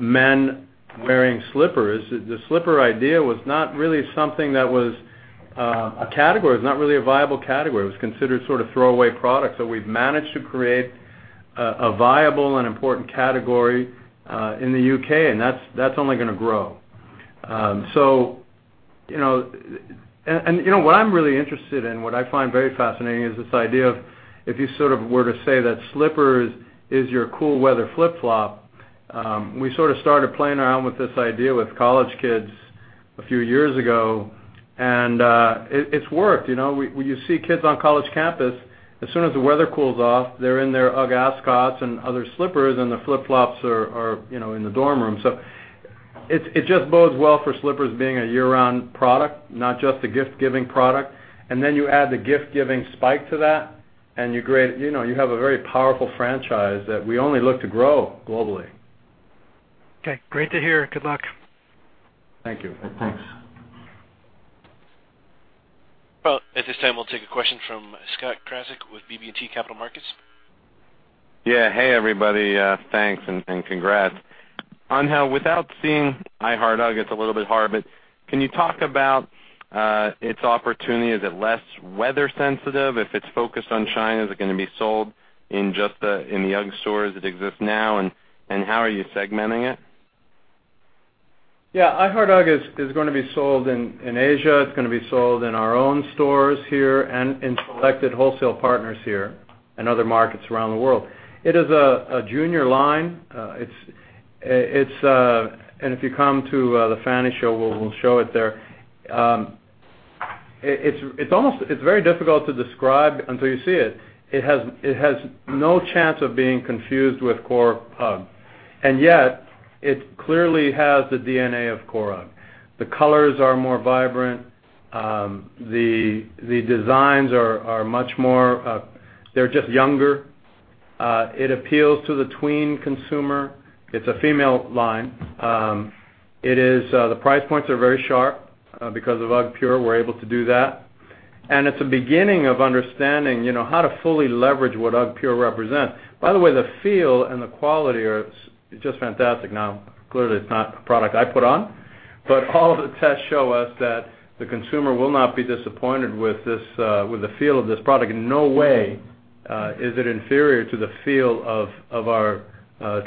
men wearing slippers. The slipper idea was not really something that was a category. It was not really a viable category. It was considered sort of throwaway product. We've managed to create a viable and important category in the U.K., and that's only going to grow. What I'm really interested in, what I find very fascinating, is this idea of if you sort of were to say that slippers is your cool weather flip-flop. We sort of started playing around with this idea with college kids a few years ago, and it's worked. You see kids on college campus, as soon as the weather cools off, they're in their UGG Ascot and other slippers, and the flip-flops are in the dorm room. It just bodes well for slippers being a year-round product, not just a gift-giving product. You add the gift-giving spike to that, and you have a very powerful franchise that we only look to grow globally. Okay. Great to hear. Good luck. Thank you. Thanks. Well, at this time, we'll take a question from Scott Krasik with BB&T Capital Markets. Yeah. Hey, everybody. Thanks and congrats. Angel, without seeing I Heart UGG, it's a little bit hard, but can you talk about its opportunity? Is it less weather sensitive? If it's focused on China, is it going to be sold in just in the UGG stores that exist now? How are you segmenting it? Yeah, I Heart UGG is going to be sold in Asia. It's going to be sold in our own stores here, and in selected wholesale partners here, and other markets around the world. It is a junior line. If you come to the FFANY show, we'll show it there. It's very difficult to describe until you see it. It has no chance of being confused with Core UGG, and yet it clearly has the DNA of Core UGG. The colors are more vibrant. The designs are much more They're just younger. It appeals to the tween consumer. It's a female line. The price points are very sharp. Because of UGGpure, we're able to do that. It's a beginning of understanding how to fully leverage what UGGpure represents. By the way, the feel and the quality are just fantastic. Now, clearly, it's not a product I put on, but all of the tests show us that the consumer will not be disappointed with the feel of this product. In no way is it inferior to the feel of our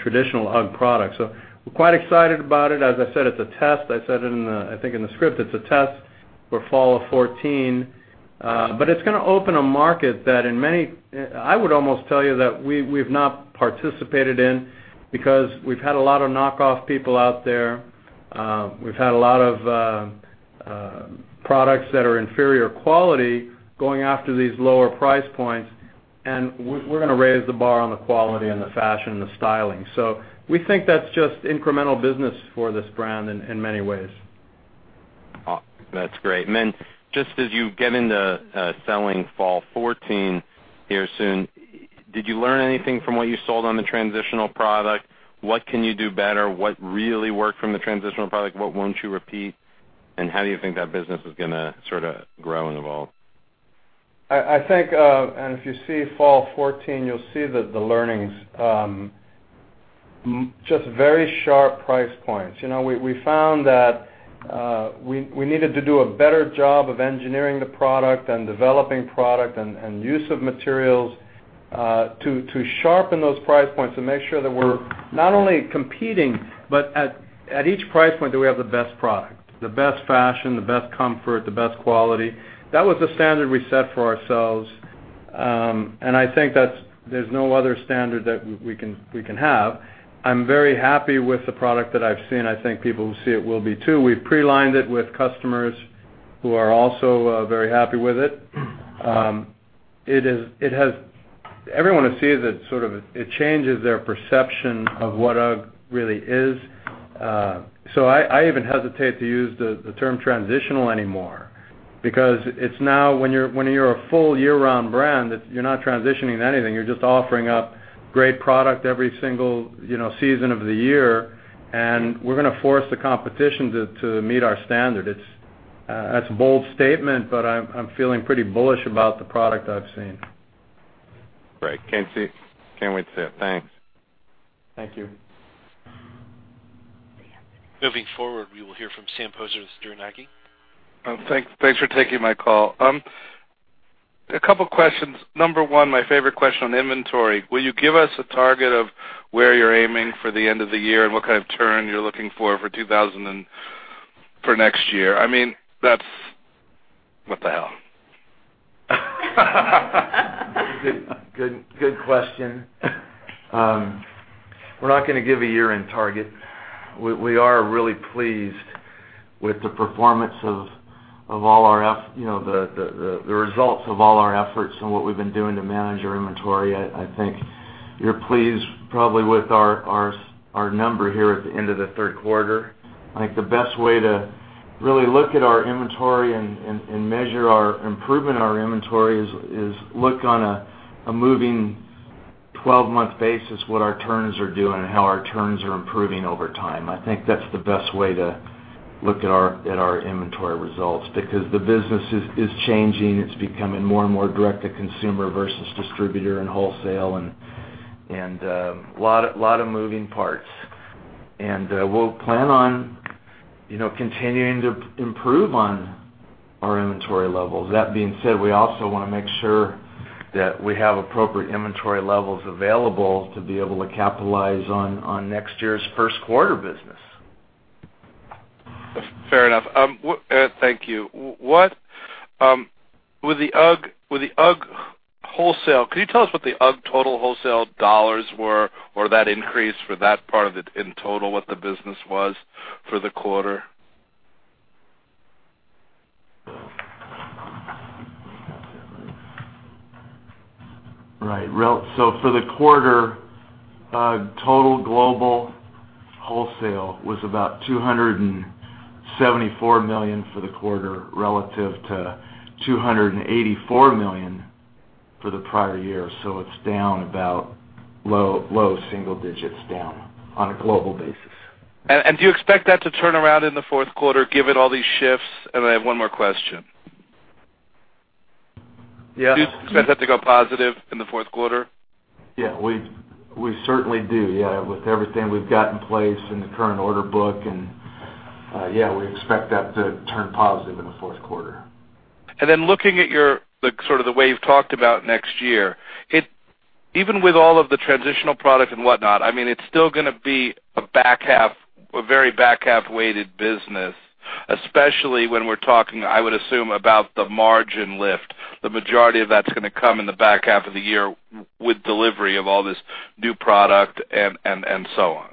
traditional UGG product. We're quite excited about it. As I said, it's a test. I said it, I think, in the script, it's a test for fall of 2014. It's going to open a market that, I would almost tell you, that we've not participated in because we've had a lot of knock-off people out there. We've had a lot of products that are inferior quality going after these lower price points, and we're going to raise the bar on the quality and the fashion and the styling. We think that's just incremental business for this brand in many ways. That's great. Then just as you get into selling fall 2014 here soon, did you learn anything from what you sold on the transitional product? What can you do better? What really worked from the transitional product? What won't you repeat, and how do you think that business is going to sort of grow and evolve? If you see fall 2014, you'll see the learnings. Just very sharp price points. We found that we needed to do a better job of engineering the product and developing product, and use of materials to sharpen those price points and make sure that we're not only competing, but at each price point, that we have the best product, the best fashion, the best comfort, the best quality. That was the standard we set for ourselves, and I think that there's no other standard that we can have. I'm very happy with the product that I've seen. I think people who see it will be, too. We've pre-lined it with customers who are also very happy with it. Everyone who sees it, sort of, it changes their perception of what UGG really is. I even hesitate to use the term transitional anymore because it's now, when you're a full year-round brand, you're not transitioning anything. You're just offering up great product every single season of the year, and we're going to force the competition to meet our standard. That's a bold statement, I'm feeling pretty bullish about the product I've seen. Great. Can't wait to see it. Thanks. Thank you. Moving forward, we will hear from Sam Poser with Stifel Nicolaus. Thanks for taking my call. A couple questions. Number 1, my favorite question on inventory. Will you give us a target of where you're aiming for the end of the year, and what kind of turn you're looking for for next year? I mean, that's What the hell? Good question. We're not going to give a year-end target. We are really pleased with the results of all our efforts and what we've been doing to manage our inventory. I think you're pleased probably with our number here at the end of the third quarter. I think the best way to really look at our inventory and measure our improvement in our inventory is look on a moving 12-month basis, what our turns are doing and how our turns are improving over time. I think that's the best way to look at our inventory results because the business is changing. It's becoming more and more direct-to-consumer versus distributor and wholesale and a lot of moving parts. We'll plan on continuing to improve on our inventory levels. That being said, we also want to make sure that we have appropriate inventory levels available to be able to capitalize on next year's first quarter business. Fair enough. Thank you. With the UGG wholesale, can you tell us what the UGG total wholesale dollars were, or that increase for that part of it in total, what the business was for the quarter? Right. For the quarter, UGG total global wholesale was about $274 million for the quarter relative to $284 million for the prior year. It's down about low single digits down on a global basis. Do you expect that to turn around in the fourth quarter given all these shifts? I have one more question. Yeah. Do you expect that to go positive in the fourth quarter? Yeah, we certainly do. Yeah. With everything we've got in place in the current order book, we expect that to turn positive in the fourth quarter. Then looking at sort of the way you've talked about next year, even with all of the transitional products and whatnot, it's still going to be a very back-half weighted business, especially when we're talking, I would assume, about the margin lift. The majority of that's going to come in the back half of the year with delivery of all this new product and so on.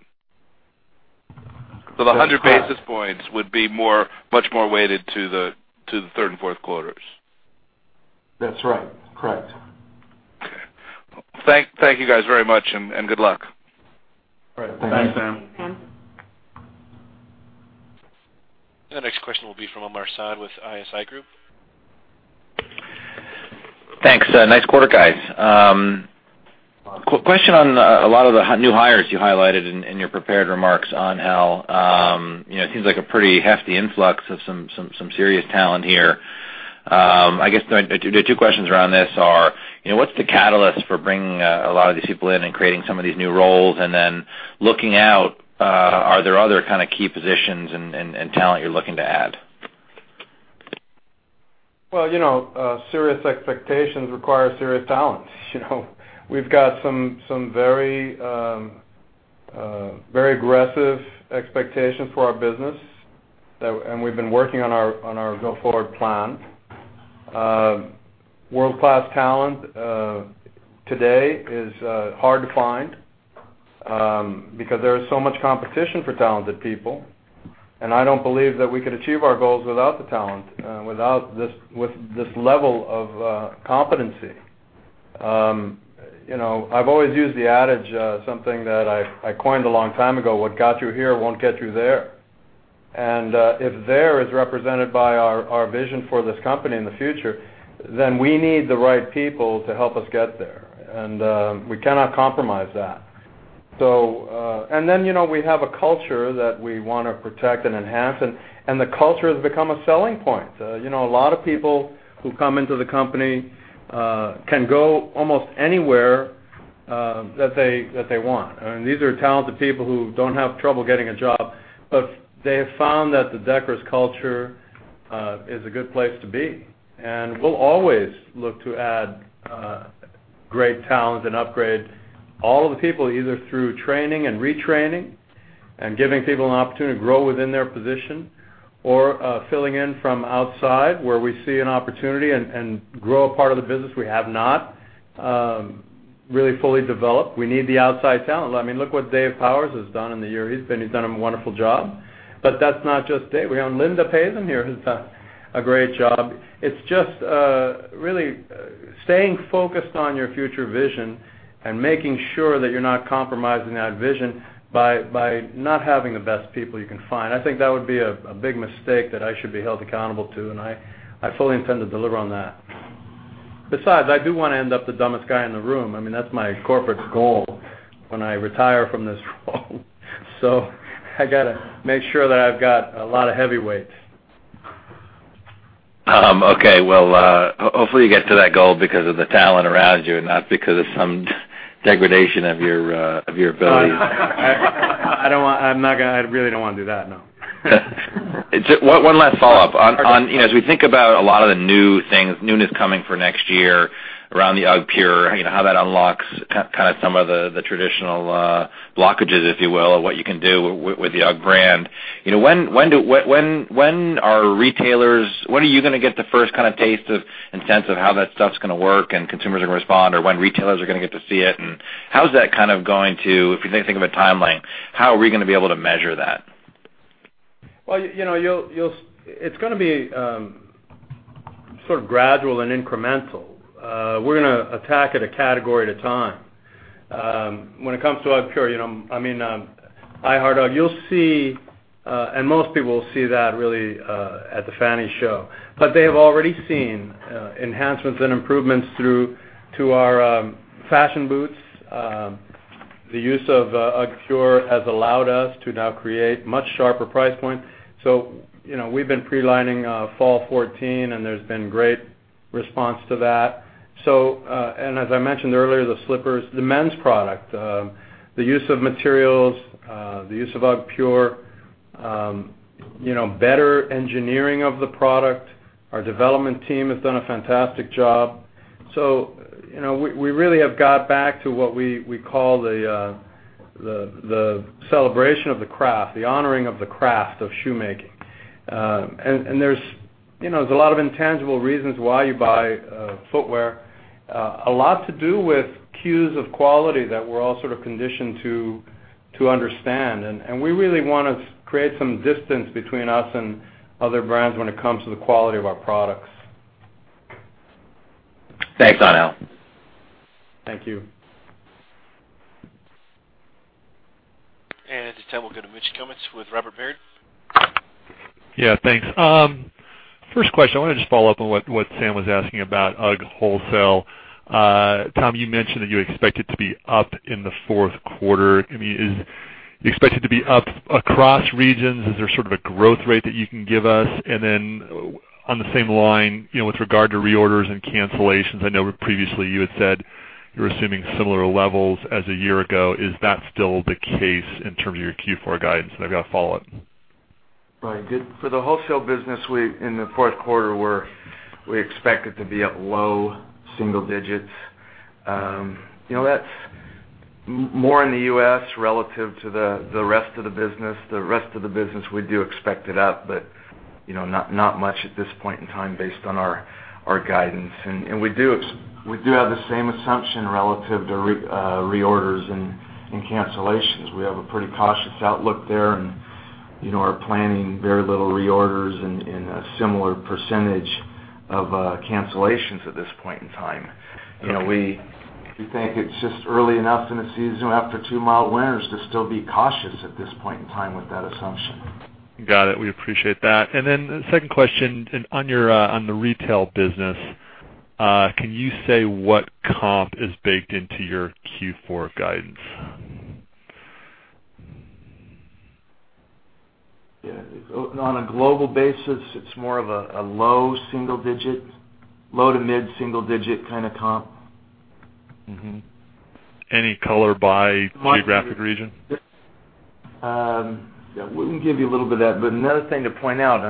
That's correct. The 100 basis points would be much more weighted to the third and fourth quarters. That's right. Correct. Okay. Thank you guys very much, and good luck. All right. Thanks. Thanks, Sam. Thanks, Sam. The next question will be from Omar Saad with ISI Group. Thanks. Nice quarter, guys. Question on a lot of the new hires you highlighted in your prepared remarks on how it seems like a pretty hefty influx of some serious talent here. I guess the two questions around this are: what's the catalyst for bringing a lot of these people in and creating some of these new roles? Looking out, are there other kind of key positions and talent you're looking to add? Well, serious expectations require serious talent. We've got some very aggressive expectations for our business. We've been working on our go-forward plan. World-class talent today is hard to find, because there is so much competition for talented people. I don't believe that we could achieve our goals without the talent, with this level of competency. I've always used the adage, something that I coined a long time ago, "What got you here, won't get you there." If there is represented by our vision for this company in the future, we need the right people to help us get there. We cannot compromise that. We have a culture that we want to protect and enhance. The culture has become a selling point. A lot of people who come into the company can go almost anywhere that they want. These are talented people who don't have trouble getting a job. They have found that the Deckers culture is a good place to be. We'll always look to add great talent and upgrade all of the people, either through training and retraining and giving people an opportunity to grow within their position or filling in from outside where we see an opportunity and grow a part of the business we have not really fully developed. We need the outside talent. Look what Dave Powers has done in the year. He's done a wonderful job. That's not just Dave. We have Linda Pazin here, who's done a great job. It's just really staying focused on your future vision and making sure that you're not compromising that vision by not having the best people you can find. I think that would be a big mistake that I should be held accountable to. I fully intend to deliver on that. Besides, I do want to end up the dumbest guy in the room. That's my corporate goal when I retire from this role. I got to make sure that I've got a lot of heavyweights. Okay. Well, hopefully you get to that goal because of the talent around you and not because of some degradation of your abilities. I really don't want to do that, no. One last follow-up. As we think about a lot of the new things coming for next year around the UGGpure, how that unlocks kind of some of the traditional blockages, if you will, of what you can do with the UGG brand, when are you going to get the first kind of taste of and sense of how that stuff's going to work and consumers are going to respond or when retailers are going to get to see it? If you think of a timeline, how are we going to be able to measure that? Well, it's going to be sort of gradual and incremental. We're going to attack it a category at a time. When it comes to UGGpure, I mean I Heart UGG, and most people will see that really at the FFANY show, but they have already seen enhancements and improvements through to our fashion boots. The use of UGGpure has allowed us to now create much sharper price points. We've been pre-lining Fall 2014, and there's been great response to that. As I mentioned earlier, the slippers, the men's product, the use of materials, the use of UGGpure, better engineering of the product. Our development team has done a fantastic job. We really have got back to what we call the celebration of the craft, the honoring of the craft of shoemaking. There's a lot of intangible reasons why you buy footwear, a lot to do with cues of quality that we're all sort of conditioned to understand. We really want to create some distance between us and other brands when it comes to the quality of our products. Thanks, Angel. Thank you. This time we'll go to Mitch Kummetz with Robert W. Baird. Yeah, thanks. First question, I want to just follow up on what Sam was asking about UGG wholesale. Tom, you mentioned that you expect it to be up in the fourth quarter. Do you expect it to be up across regions? Is there sort of a growth rate that you can give us? Then on the same line, with regard to reorders and cancellations, I know previously you had said You're assuming similar levels as a year ago. Is that still the case in terms of your Q4 guidance? I've got a follow-up. Right. For the wholesale business, in the fourth quarter, we expect it to be up low single digits. That's more in the U.S. relative to the rest of the business. The rest of the business, we do expect it up, but not much at this point in time based on our guidance. We do have the same assumption relative to reorders and cancellations. We have a pretty cautious outlook there, and are planning very little reorders and a similar % of cancellations at this point in time. Okay. We think it's just early enough in the season after two mild winters to still be cautious at this point in time with that assumption. Got it. We appreciate that. Then the second question, on the retail business, can you say what comp is baked into your Q4 guidance? Yeah. On a global basis, it's more of a low single digit, low to mid single digit kind of comp. Mm-hmm. Any color by geographic region? Yeah. We can give you a little bit of that, Another thing to point out,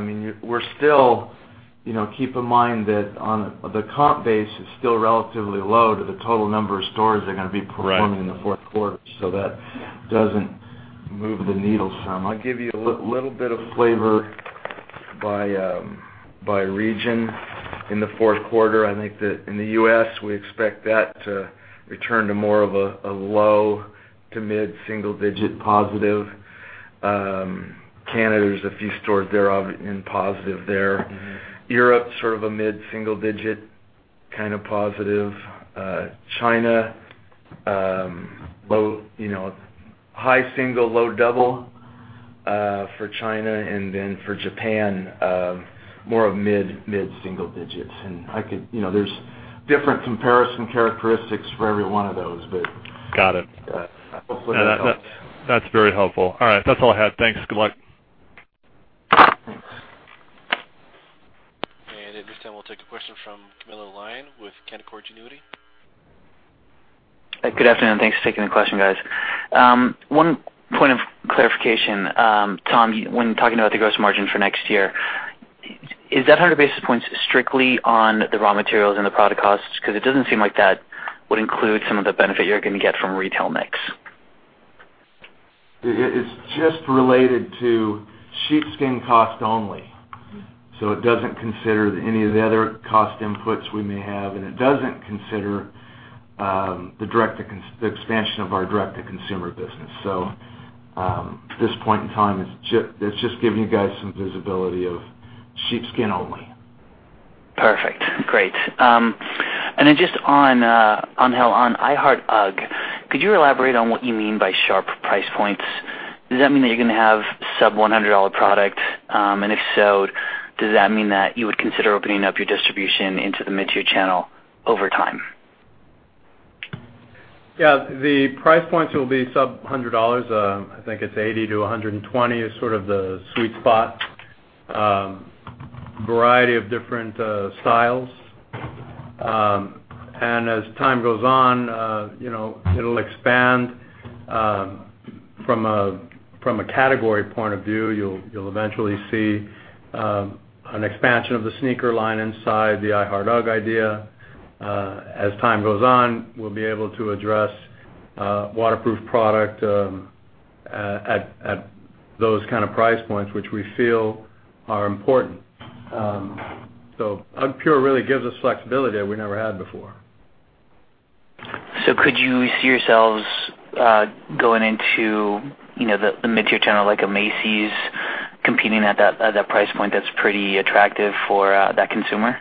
keep in mind that on the comp base is still relatively low to the total number of stores that are going to be performing- Right in the fourth quarter, That doesn't move the needle some. I'll give you a little bit of flavor by region in the fourth quarter. I think that in the U.S., we expect that to return to more of a low to mid single digit positive. Canada, there's a few stores there, in positive there. Europe, sort of a mid single digit kind of positive. China, high single, low double for China, For Japan, more of mid single digits. There's different comparison characteristics for every one of those, but- Got it. Hopefully that helps. That's very helpful. All right. That's all I had. Thanks. Good luck. At this time, we'll take a question from Camilo Lyon with Canaccord Genuity. Good afternoon. Thanks for taking the question, guys. One point of clarification, Tom, when talking about the gross margin for next year, is that 100 basis points strictly on the raw materials and the product costs? It doesn't seem like that would include some of the benefit you're going to get from retail mix. It is just related to sheepskin cost only. It doesn't consider any of the other cost inputs we may have, and it doesn't consider the expansion of our direct-to-consumer business. At this point in time, it's just giving you guys some visibility of sheepskin only. Perfect. Great. Then just on I Heart UGG, could you elaborate on what you mean by sharp price points? Does that mean that you're going to have sub-$100 product? If so, does that mean that you would consider opening up your distribution into the mid-tier channel over time? Yeah. The price points will be sub-$100. I think it's $80-$120 is sort of the sweet spot. Variety of different styles. As time goes on, it'll expand. From a category point of view, you'll eventually see an expansion of the sneaker line inside the I Heart UGG idea. As time goes on, we'll be able to address waterproof product at those kind of price points, which we feel are important. UGGpure really gives us flexibility that we never had before. Could you see yourselves going into the mid-tier channel, like a Macy's, competing at that price point that's pretty attractive for that consumer?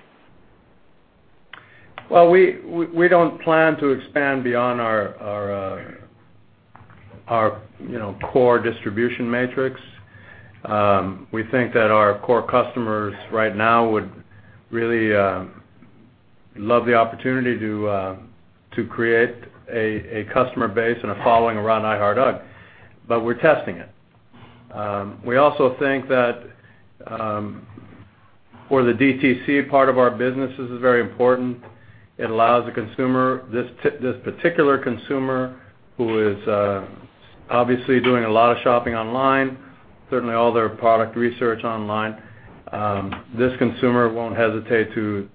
Well, we don't plan to expand beyond our core distribution matrix. We think that our core customers right now would really love the opportunity to create a customer base and a following around I Heart UGG, but we're testing it. We also think that for the DTC part of our business, this is very important. It allows this particular consumer, who is obviously doing a lot of shopping online, certainly all their product research online. This consumer won't hesitate to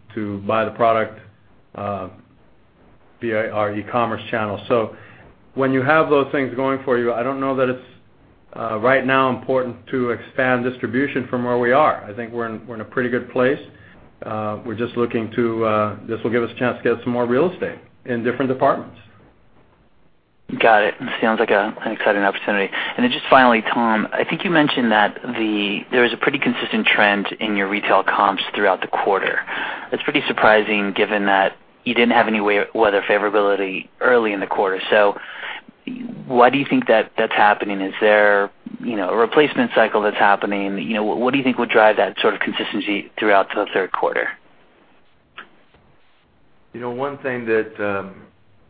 buy the product via our e-commerce channel. When you have those things going for you, I don't know that it's right now important to expand distribution from where we are. I think we're in a pretty good place. This will give us a chance to get some more real estate in different departments. Got it. Sounds like an exciting opportunity. Just finally, Tom, I think you mentioned that there is a pretty consistent trend in your retail comps throughout the quarter. That's pretty surprising given that you didn't have any weather favorability early in the quarter. Why do you think that's happening? Is there a replacement cycle that's happening? What do you think would drive that sort of consistency throughout the third quarter? One thing that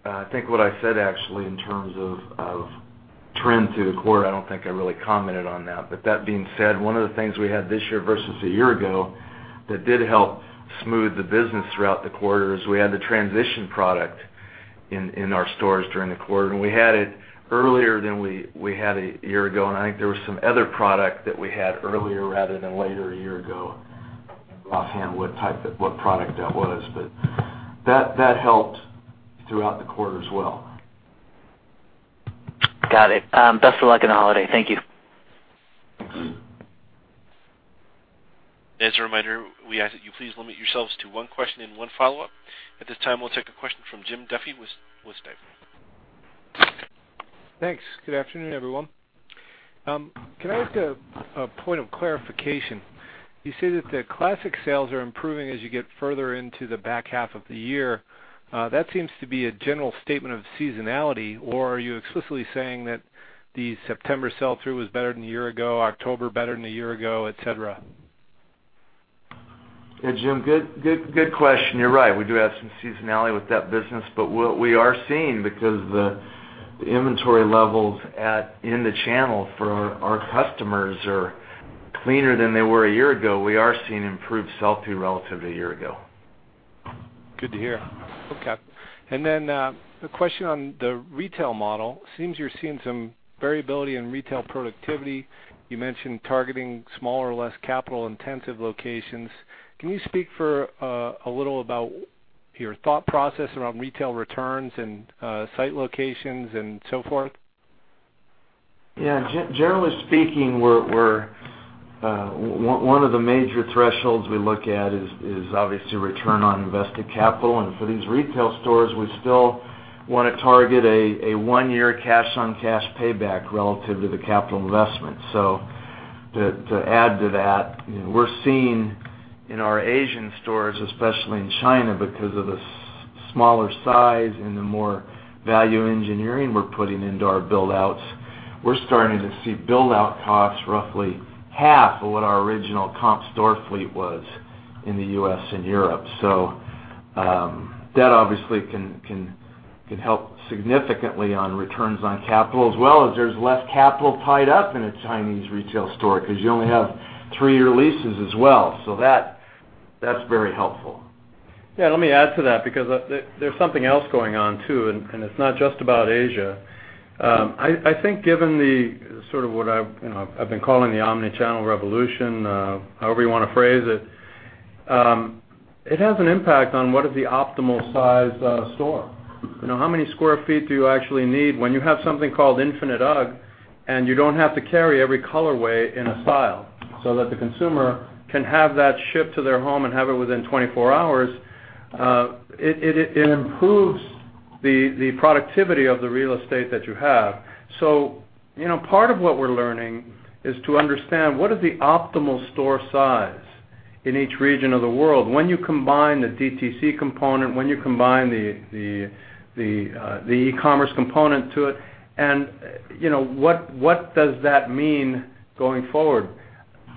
I think what I said actually in terms of trend through the quarter, I don't think I really commented on that. That being said, one of the things we had this year versus a year ago that did help smooth the business throughout the quarter is we had the transition product in our stores during the quarter, and we had it earlier than we had a year ago, and I think there was some other product that we had earlier rather than later a year ago. Offhand what product that was, but that helped throughout the quarter as well. Got it. Best of luck in the holiday. Thank you. As a reminder, we ask that you please limit yourselves to one question and one follow-up. At this time, we'll take a question from Jim Duffy with Stifel. Thanks. Good afternoon, everyone. Can I ask a point of clarification? You say that the classic sales are improving as you get further into the back half of the year. That seems to be a general statement of seasonality, or are you explicitly saying that the September sell-through was better than a year ago, October better than a year ago, et cetera? Yeah, Jim. Good question. You're right. We do have some seasonality with that business. What we are seeing, because the inventory levels in the channel for our customers are cleaner than they were a year ago, we are seeing improved sell-through relative to a year ago. Good to hear. A question on the retail model. Seems you're seeing some variability in retail productivity. You mentioned targeting smaller, less capital-intensive locations. Can you speak for a little about your thought process around retail returns and site locations and so forth? Generally speaking, one of the major thresholds we look at is obviously return on invested capital. For these retail stores, we still want to target a one-year cash-on-cash payback relative to the capital investment. To add to that, we're seeing in our Asian stores, especially in China, because of the smaller size and the more value engineering we're putting into our build-outs, we're starting to see build-out costs roughly half of what our original comp store fleet was in the U.S. and Europe. That obviously can help significantly on returns on capital, as well as there's less capital tied up in a Chinese retail store because you only have three-year leases as well. That's very helpful. Let me add to that, because there's something else going on too, and it's not just about Asia. I think given the sort of what I've been calling the omni-channel revolution, however you want to phrase it has an impact on what is the optimal size store. How many square feet do you actually need when you have something called Infinite UGG and you don't have to carry every colorway in a style so that the consumer can have that shipped to their home and have it within 24 hours. It improves the productivity of the real estate that you have. Part of what we're learning is to understand what is the optimal store size in each region of the world. When you combine the DTC component, when you combine the e-commerce component to it, and what does that mean going forward?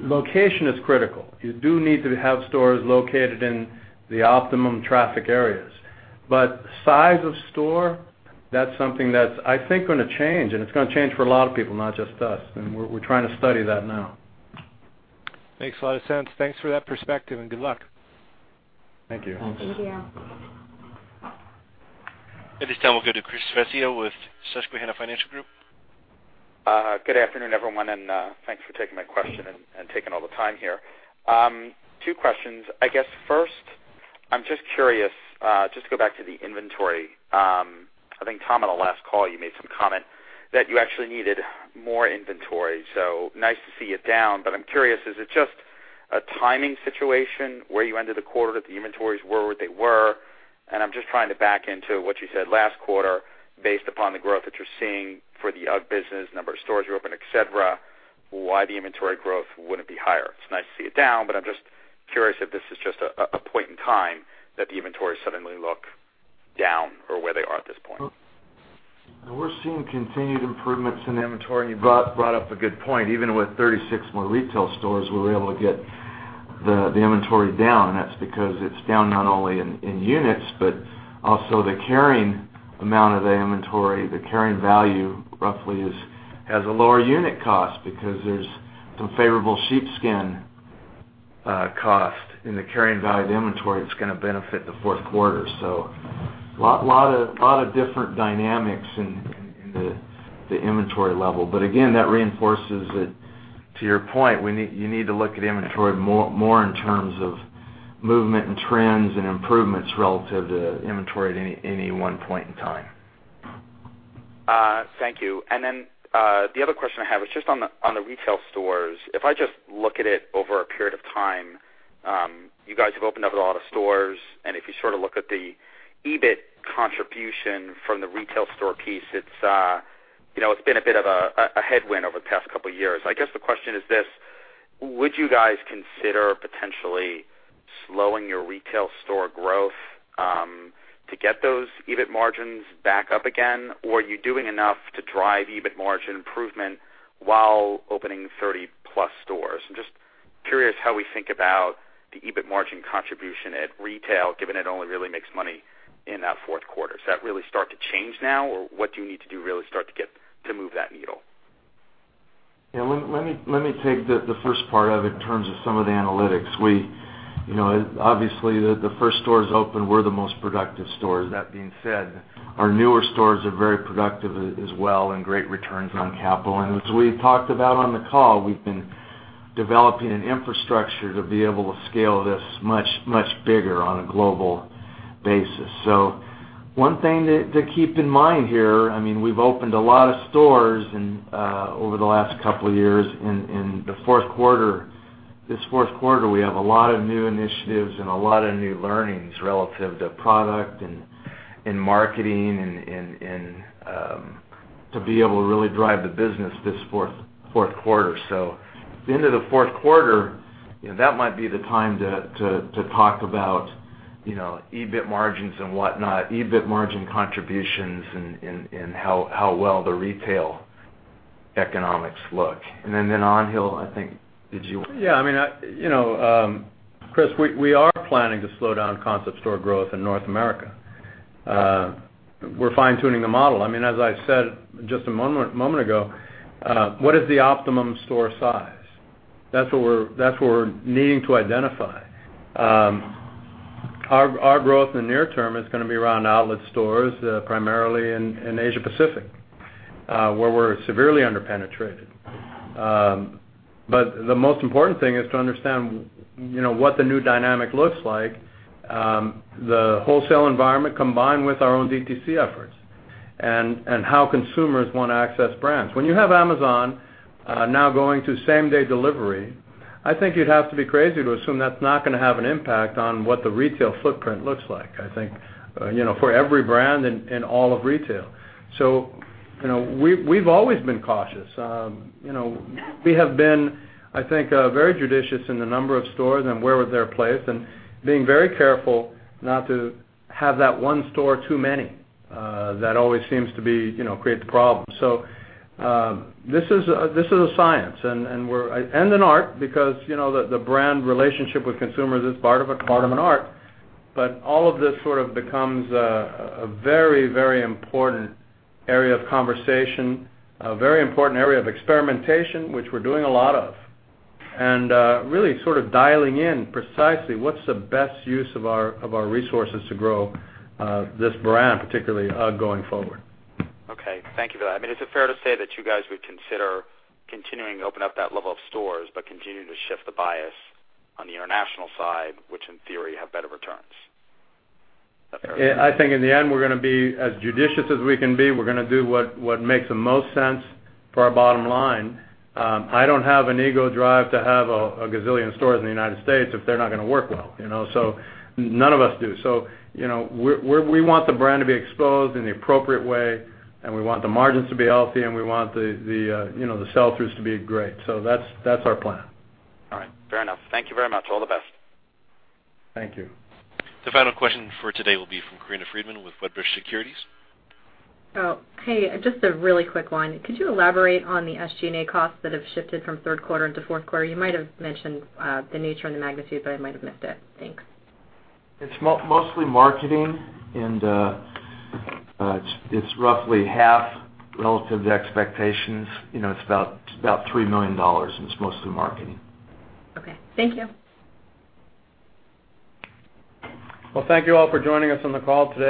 Location is critical. You do need to have stores located in the optimum traffic areas. Size of store, that's something that's, I think, going to change, and it's going to change for a lot of people, not just us, and we're trying to study that now. Makes a lot of sense. Thanks for that perspective, good luck. Thank you. Thank you. At this time, we'll go to Christopher Svezia with Susquehanna Financial Group. Good afternoon, everyone, and thanks for taking my question and taking all the time here. Two questions. I guess first, I'm just curious, just to go back to the inventory. I think, Tom, on the last call, you made some comment that you actually needed more inventory. Nice to see it down, but I'm curious, is it just a timing situation where you ended the quarter that the inventories were where they were? I'm just trying to back into what you said last quarter based upon the growth that you're seeing for the UGG business, number of stores you opened, et cetera, why the inventory growth wouldn't be higher. It's nice to see it down, but I'm just curious if this is just a point in time that the inventories suddenly look down or where they are at this point. We're seeing continued improvements in inventory, and you brought up a good point. Even with 36 more retail stores, we were able to get the inventory down, and that's because it's down not only in units, but also the carrying amount of the inventory, the carrying value roughly has a lower unit cost because there's some favorable sheepskin cost in the carrying value of the inventory that's going to benefit the fourth quarter. A lot of different dynamics in the inventory level. Again, that reinforces it, to your point, you need to look at inventory more in terms of movement and trends and improvements relative to inventory at any one point in time. Thank you. The other question I have is just on the retail stores. If I just look at it over a period of time, you guys have opened up a lot of stores, and if you sort of look at the EBIT contribution from the retail store piece, it's been a bit of a headwind over the past couple of years. I guess the question is this: Would you guys consider potentially slowing your retail store growth to get those EBIT margins back up again? Are you doing enough to drive EBIT margin improvement while opening 30-plus stores? I'm curious how we think about the EBIT margin contribution at retail, given it only really makes money in that fourth quarter. Does that really start to change now? What do you need to do really start to get to move that needle? Yeah. Let me take the first part of it in terms of some of the analytics. Obviously, the first stores open were the most productive stores. That being said, our newer stores are very productive as well and great returns on capital. As we've talked about on the call, we've been developing an infrastructure to be able to scale this much, much bigger on a global basis. One thing to keep in mind here, we've opened a lot of stores over the last couple of years. In this fourth quarter, we have a lot of new initiatives and a lot of new learnings relative to product and marketing and to be able to really drive the business this fourth quarter. At the end of the fourth quarter, that might be the time to talk about EBIT margins and whatnot, EBIT margin contributions and how well the retail economics look. Angel Martinez, I think, did you Yeah. Chris, we are planning to slow down concept store growth in North America. We're fine-tuning the model. As I said just a moment ago, what is the optimum store size? That's what we're needing to identify. Our growth in the near term is going to be around outlet stores, primarily in Asia Pacific, where we're severely under-penetrated. The most important thing is to understand what the new dynamic looks like. The wholesale environment combined with our own DTC efforts and how consumers want to access brands. When you have Amazon now going to same-day delivery, I think you'd have to be crazy to assume that's not going to have an impact on what the retail footprint looks like, I think, for every brand in all of retail. We've always been cautious. We have been, I think, very judicious in the number of stores and where they're placed and being very careful not to have that one store too many. That always seems to create the problem. This is a science and an art because the brand relationship with consumers is part of an art. All of this sort of becomes a very important area of conversation, a very important area of experimentation, which we're doing a lot of, and really sort of dialing in precisely what's the best use of our resources to grow this brand, particularly going forward. Okay. Thank you for that. Is it fair to say that you guys would consider continuing to open up that level of stores but continue to shift the bias on the international side, which in theory have better returns? I think in the end, we're going to be as judicious as we can be. We're going to do what makes the most sense for our bottom line. I don't have an ego drive to have a gazillion stores in the United States if they're not going to work well. None of us do. We want the brand to be exposed in the appropriate way, and we want the margins to be healthy, and we want the sell-throughs to be great. That's our plan. All right. Fair enough. Thank you very much. All the best. Thank you. The final question for today will be from Corinna Freedman with Wedbush Securities. Oh, hey, just a really quick one. Could you elaborate on the SG&A costs that have shifted from third quarter into fourth quarter? You might have mentioned the nature and the magnitude, but I might have missed it. Thanks. It's mostly marketing. It's roughly half relative to expectations. It's about $3 million. It's mostly marketing. Okay. Thank you. Well, thank you all for joining us on the call today.